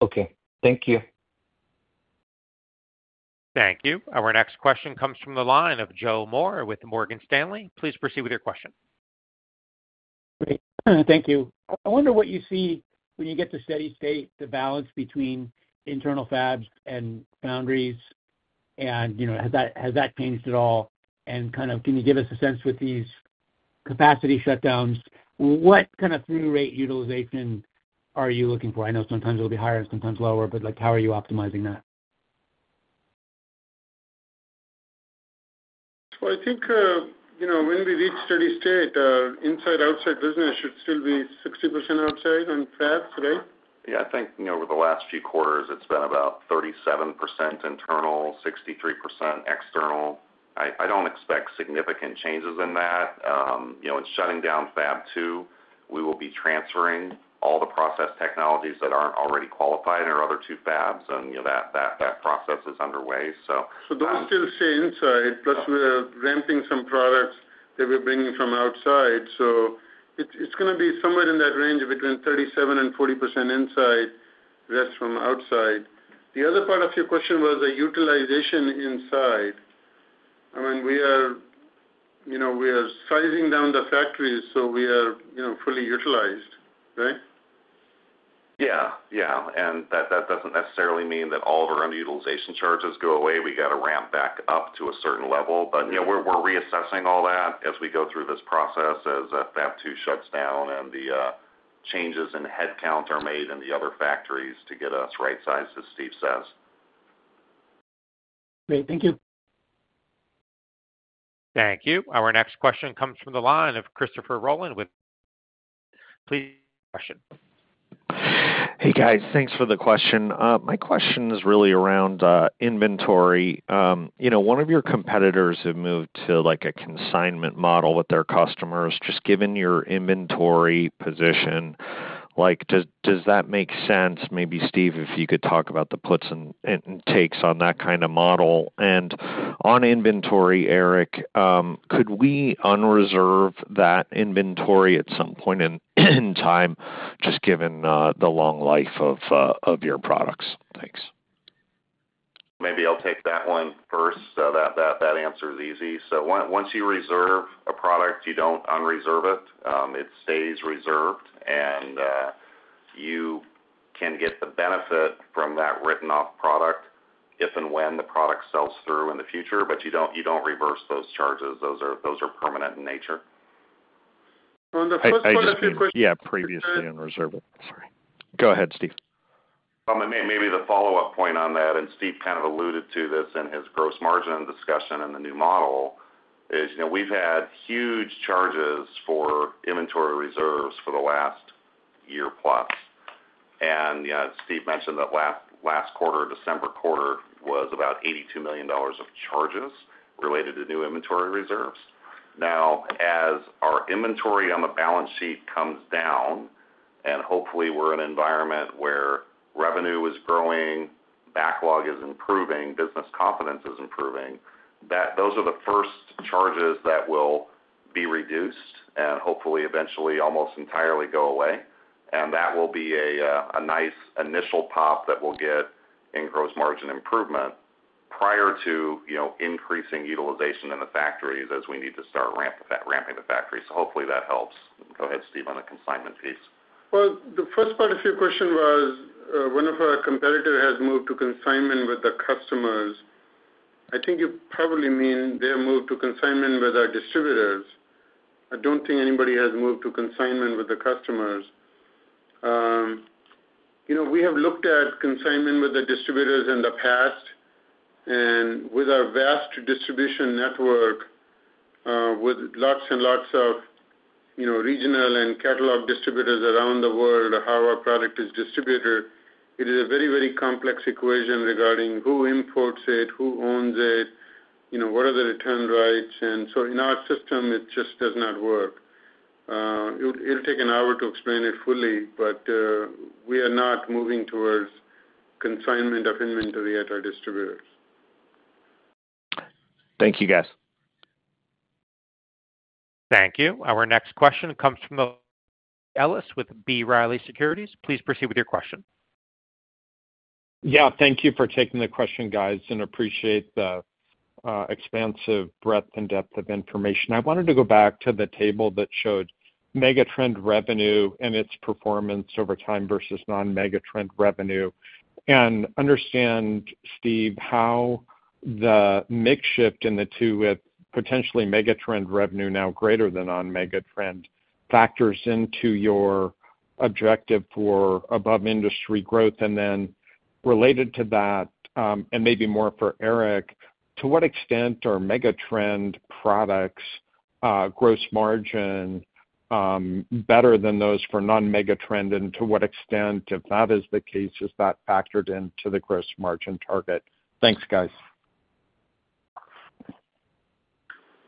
Okay. Thank you. Thank you. Our next question comes from the line of Joe Moore with Morgan Stanley. Please proceed with your question. Great. Thank you. I wonder what you see when you get to steady state, the balance between internal fabs and foundries, and has that changed at all? And kind of can you give us a sense with these capacity shutdowns? What kind of throughput utilization are you looking for? I know sometimes it'll be higher and sometimes lower, but how are you optimizing that? So I think when we reach steady state, inside-outside business should still be 60% outside on fabs, right? Yeah. I think over the last few quarters, it's been about 37% internal, 63% external. I don't expect significant changes in that. In shutting down Fab 2, we will be transferring all the process technologies that aren't already qualified in our other two fabs, and that process is underway. Those still stay inside, plus we're ramping some products that we're bringing from outside. So it's going to be somewhere in that range between 37% and 40% in the U.S., rest from outside. The other part of your question was the utilization inside. We are sizing down the factories, so we are fully utilized, right? Yeah. Yeah. And that doesn't necessarily mean that all of our underutilization charges go away. We got to ramp back up to a certain level. But we're reassessing all that as we go through this process as Fab 2 shuts down and the changes in headcount are made in the other factories to get us right sized, as Steve says. Great. Thank you. Thank you. Our next question comes from the line of Christopher Rolland with Susquehanna. Please ask your question. Hey, guys. Thanks for the question. My question is really around inventory. One of your competitors has moved to a consignment model with their customers. Just given your inventory position, does that make sense? Maybe, Steve, if you could talk about the puts and takes on that kind of model, and on inventory, Eric, could we unreserve that inventory at some point in time, just given the long life of your products? Thanks. Maybe I'll take that one first. So that answer is easy, so once you reserve a product, you don't unreserve it. It stays reserved, and you can get the benefit from that written-off product if and when the product sells through in the future, but you don't reverse those charges. Those are permanent in nature. On the first question. Yeah. Previously unreserved. Sorry. Go ahead, Steve. Maybe the follow-up point on that, and Steve kind of alluded to this in his gross margin discussion in the new model, is we've had huge charges for inventory reserves for the last year plus. Steve mentioned that last quarter, December quarter, was about $82 million of charges related to new inventory reserves. Now, as our inventory on the balance sheet comes down, and hopefully we're in an environment where revenue is growing, backlog is improving, business confidence is improving, those are the first charges that will be reduced and hopefully eventually almost entirely go away. That will be a nice initial pop that will get in gross margin improvement prior to increasing utilization in the factories as we need to start ramping the factories. So hopefully that helps. Go ahead, Steve, on the consignment piece. Well, the first part of your question was one of our competitors has moved to consignment with the customers. I think you probably mean they have moved to consignment with our distributors. I don't think anybody has moved to consignment with the customers. We have looked at consignment with the distributors in the past, and with our vast distribution network, with lots and lots of regional and catalog distributors around the world, how our product is distributed, it is a very, very complex equation regarding who imports it, who owns it, what are the return rights? And so in our system, it just does not work. It'll take an hour to explain it fully, but we are not moving towards consignment of inventory at our distributors. Thank you, guys. Thank you. Our next question comes from Craig Ellis with B. Riley Securities. Please proceed with your question. Yeah. Thank you for taking the question, guys, and appreciate the expansive breadth and depth of information. I wanted to go back to the table that showed Megatrend revenue and its performance over time versus non-Megatrend revenue. Understand, Steve, how the mix shift in the 2X with potentially Megatrend revenue now greater than non-Megatrend factors into your objective for above-industry growth. Then related to that, and maybe more for Eric, to what extent are Megatrend products' gross margin better than those for non-Megatrend, and to what extent, if that is the case, is that factored into the gross margin target? Thanks, guys.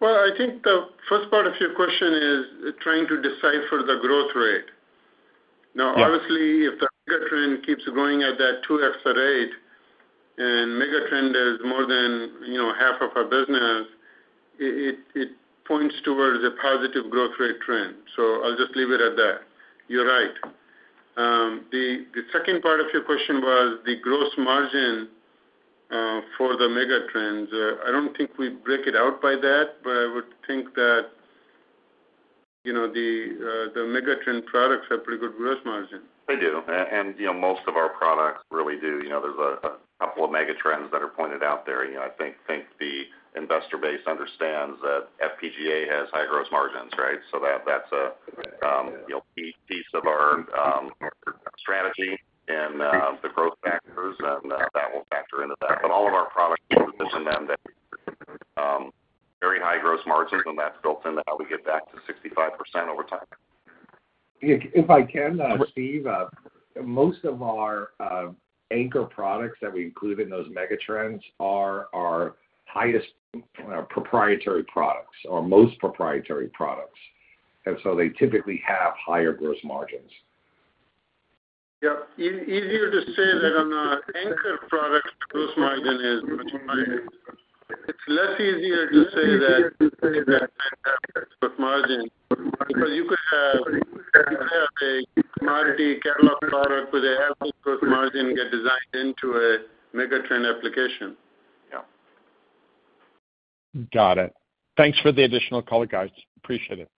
Well, the first part of your question is trying to decipher the growth rate. Now, obviously, if the Megatrend keeps going at that 2X rate and Megatrend is more than half of our business, it points towards a positive growth rate trend. So I'll just leave it at that. You're right. The second part of your question was the gross margin for the Megatrends. I don't think we break it out by that, but I would think that the Megatrend products have pretty good gross margin. They do, and most of our products really do. There's a couple of Megatrends that are pointed out there. The investor base understands that FPGA has high gross margins, right? So that's a piece of our strategy and the growth factors, and that will factor into that, but all of our products in them have very high gross margins, and that's built into how we get back to 65% over time. If I can, Steve, most of our anchor products that we include in those Megatrends are our highest proprietary products or most proprietary products, and so they typically have higher gross margins. Yeah. Easier to say that on an anchor product, gross margin is much higher. It's less easier to say that gross margin because you could have a commodity catalog product with a heavy gross margin get designed into a Megatrend application. Yeah. Got it. Thanks for the additional call, guys. Appreciate it.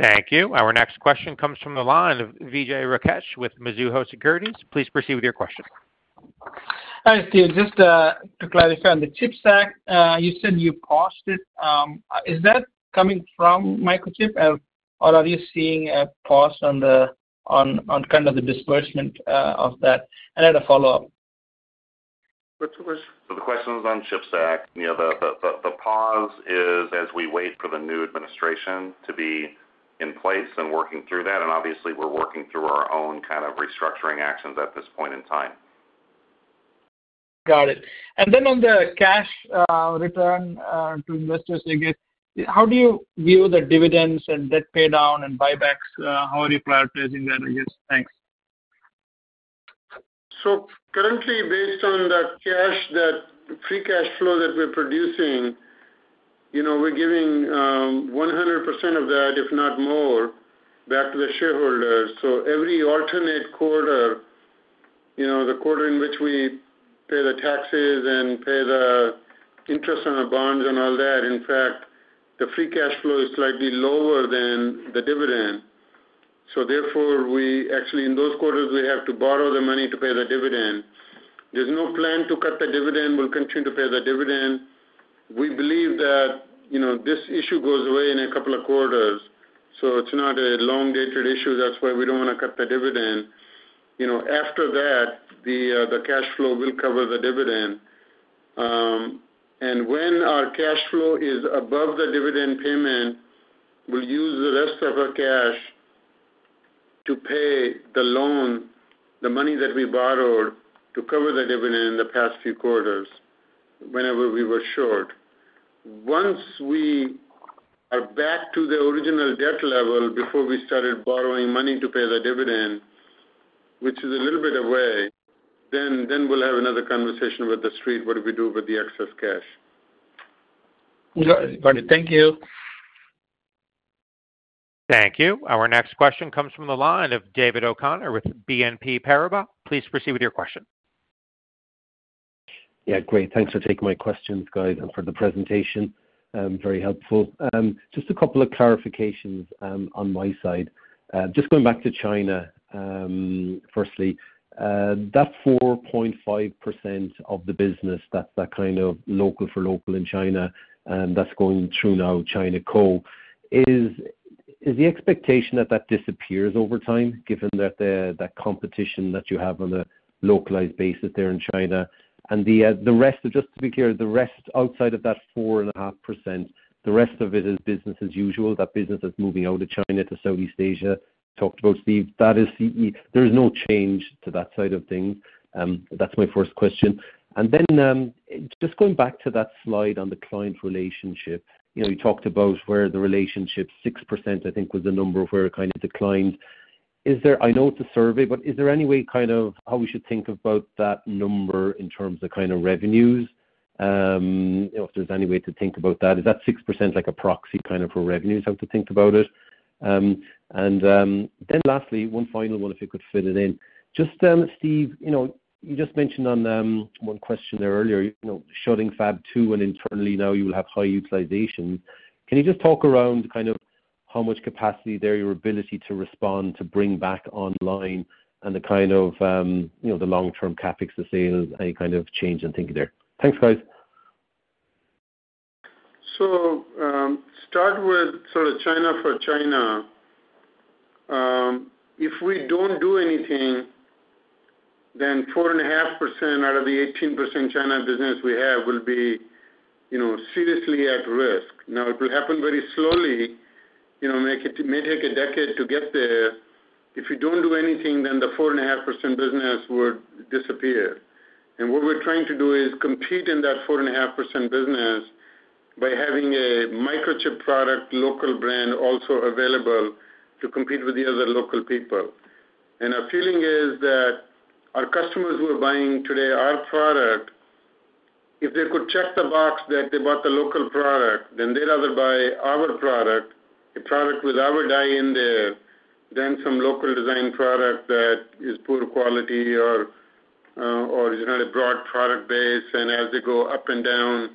Thank you. Our next question comes from the line of Vijay Rakesh with Mizuho Securities. Please proceed with your question. Hi, Steve. Just to clarify on the CHIPS Act, you said you paused it. Is that coming from Microchip, or are you seeing a pause on kind of the disbursement of that? I had a follow-up. What's the question? So the question is on CHIPS Act. The pause is as we wait for the new administration to be in place and working through that. And obviously, we're working through our own kind of restructuring actions at this point in time. Got it. Then on the cash return to investors, how do you view the dividends and debt paydown and buybacks? How are you prioritizing that, I guess? Thanks. Currently, based on the cash, the free cash flow that we're producing, we're giving 100% of that, if not more, back to the shareholders. Every alternate quarter, the quarter in which we pay the taxes and pay the interest on the bonds and all that, in fact, the free cash flow is slightly lower than the dividend. Therefore, we actually, in those quarters, we have to borrow the money to pay the dividend. There's no plan to cut the dividend. We'll continue to pay the dividend. We believe that this issue goes away in a couple of quarters. It's not a long-dated issue. That's why we don't want to cut the dividend. After that, the cash flow will cover the dividend. And when our cash flow is above the dividend payment, we'll use the rest of our cash to pay the loan, the money that we borrowed to cover the dividend in the past few quarters whenever we were short. Once we are back to the original debt level before we started borrowing money to pay the dividend, which is a little bit away, then we'll have another conversation with the street. What do we do with the excess cash? Got it. Thank you. Thank you. Our next question comes from the line of David O'Connor with BNP Paribas. Please proceed with your question. Yeah. Great. Thanks for taking my questions, guys, and for the presentation. Very helpful. Just a couple of clarifications on my side. Just going back to China, firstly, that 4.5% of the business, that's that kind of China for China in China that's going through now, ChinaCo, is the expectation that that disappears over time, given the competition that you have on a localized basis there in China? And the rest, just to be clear, the rest outside of that 4.5%, the rest of it is business as usual. That business is moving out of China to Southeast Asia, talked about, Steve. There is no change to that side of things. That's my first question. And then just going back to that slide on the client relationship, you talked about where the relationship, 6%, I think, was the number where it kind of declined. I know it's a survey, but is there any way kind of how we should think about that number in terms of kind of revenues, if there's any way to think about that? Is that 6% like a proxy kind of for revenues, how to think about it? And then lastly, one final one, if you could fit it in. Just, Steve, you just mentioned on one question earlier, shutting Fab 2 and internally now you will have high utilization. Can you just talk around kind of how much capacity there is, your ability to respond, to bring back online, and the kind of the long-term CapEx to sales, any kind of change in thinking there? Thanks, guys. So start with sort of China for China. If we don't do anything, then 4.5% out of the 18% China business we have will be seriously at risk. Now, it will happen very slowly. It may take a decade to get there. If you don't do anything, then the 4.5% business would disappear. And what we're trying to do is compete in that 4.5% business by having a Microchip product, local brand, also available to compete with the other local people. And our feeling is that our customers who are buying today our product, if they could check the box that they bought the local product, then they'd rather buy our product, a product with our die in there, than some local design product that is poor quality or is not a broad product base. And as they go up and down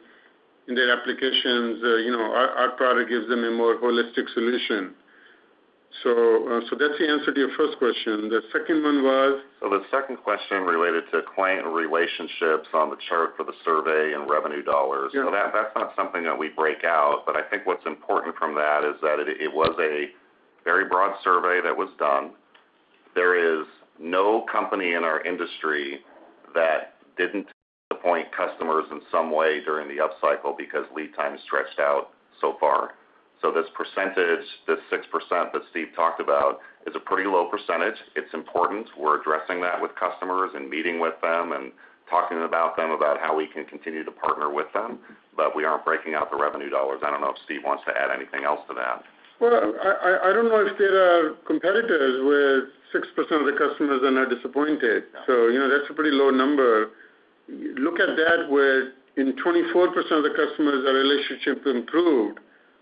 in their applications, our product gives them a more holistic solution. So that's the answer to your first question. The second one was. The second question related to client relationships on the chart for the survey and revenue dollars. That's not something that we break out, but I think what's important from that is that it was a very broad survey that was done. There is no company in our industry that didn't disappoint customers in some way during the upcycle because lead time is stretched out so far. This percentage, this 6% that Steve talked about, is a pretty low percentage. It's important. We're addressing that with customers and meeting with them and talking about them about how we can continue to partner with them, but we aren't breaking out the revenue dollars. I don't know if Steve wants to add anything else to that. I don't know if they're competitors with 6% of the customers that are disappointed. That's a pretty low number. Look at that, where in 24% of the customers, our relationship improved.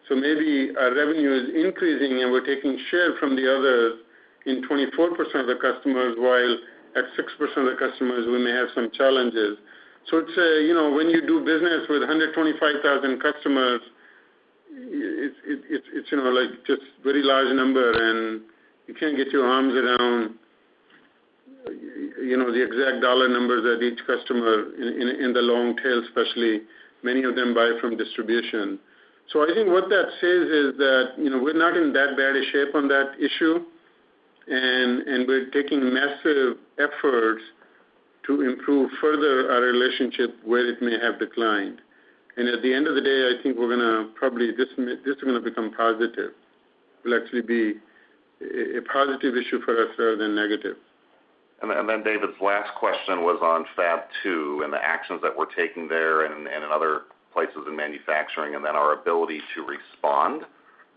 So maybe our revenue is increasing and we're taking share from the others in 24% of the customers, while at 6% of the customers, we may have some challenges. So it's when you do business with 125,000 customers, it's just a very large number, and you can't get your arms around the exact dollar numbers at each customer in the long tail, especially many of them buy from distribution. So I think what that says is that we're not in that bad a shape on that issue, and we're taking massive efforts to improve further our relationship where it may have declined, and at the end of the day, I think we're going to probably this is going to become positive. It will actually be a positive issue for us rather than negative. And then David's last question was on Fab 2 and the actions that we're taking there and in other places in manufacturing, and then our ability to respond,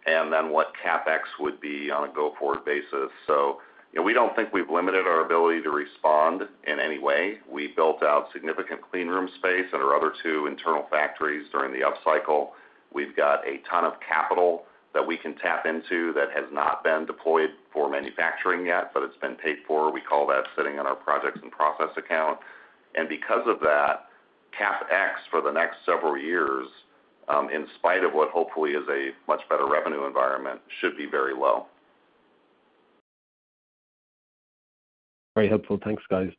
and then what CapEx would be on a go-forward basis. So we don't think we've limited our ability to respond in any way. We built out significant cleanroom space at our other two internal factories during the upcycle. We've got a ton of capital that we can tap into that has not been deployed for manufacturing yet, but it's been paid for. We call that sitting on our projects in process account. And because of that, CapEx for the next several years, in spite of what hopefully is a much better revenue environment, should be very low. Very helpful. Thanks, guys.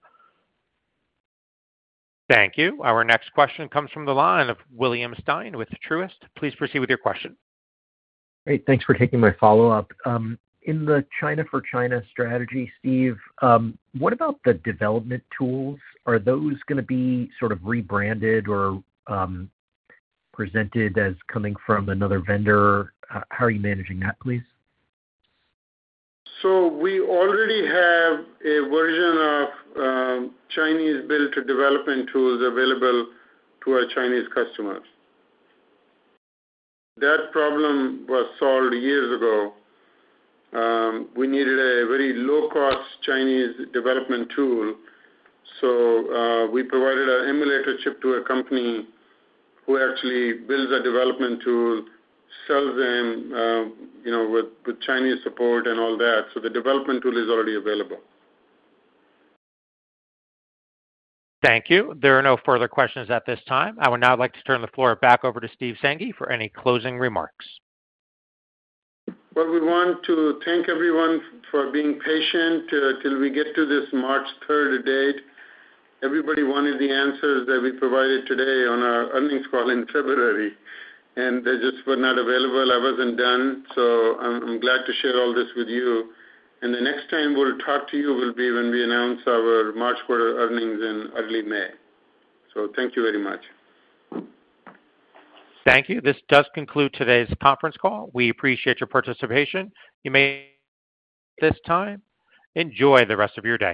Thank you. Our next question comes from the line of William Stein with Truist. Please proceed with your question. Great. Thanks for taking my follow-up. In the China for China strategy, Steve, what about the development tools? Are those going to be sort of rebranded or presented as coming from another vendor? How are you managing that, please? So we already have a version of Chinese-built development tools available to our Chinese customers. That problem was solved years ago. We needed a very low-cost Chinese development tool. So we provided an emulator chip to a company who actually builds a development tool, sells them with Chinese support and all that. So the development tool is already available. Thank you. There are no further questions at this time. I would now like to turn the floor back over to Steve Sanghi for any closing remarks. Well, we want to thank everyone for being patient until we get to this March 3rd date. Everybody wanted the answers that we provided today on our earnings call in February, and they just were not available. I wasn't done. So I'm glad to share all this with you. And the next time we'll talk to you will be when we announce our March quarter earnings in early May. So thank you very much. Thank you. This does conclude today's conference call. We appreciate your participation. You may at this time enjoy the rest of your day.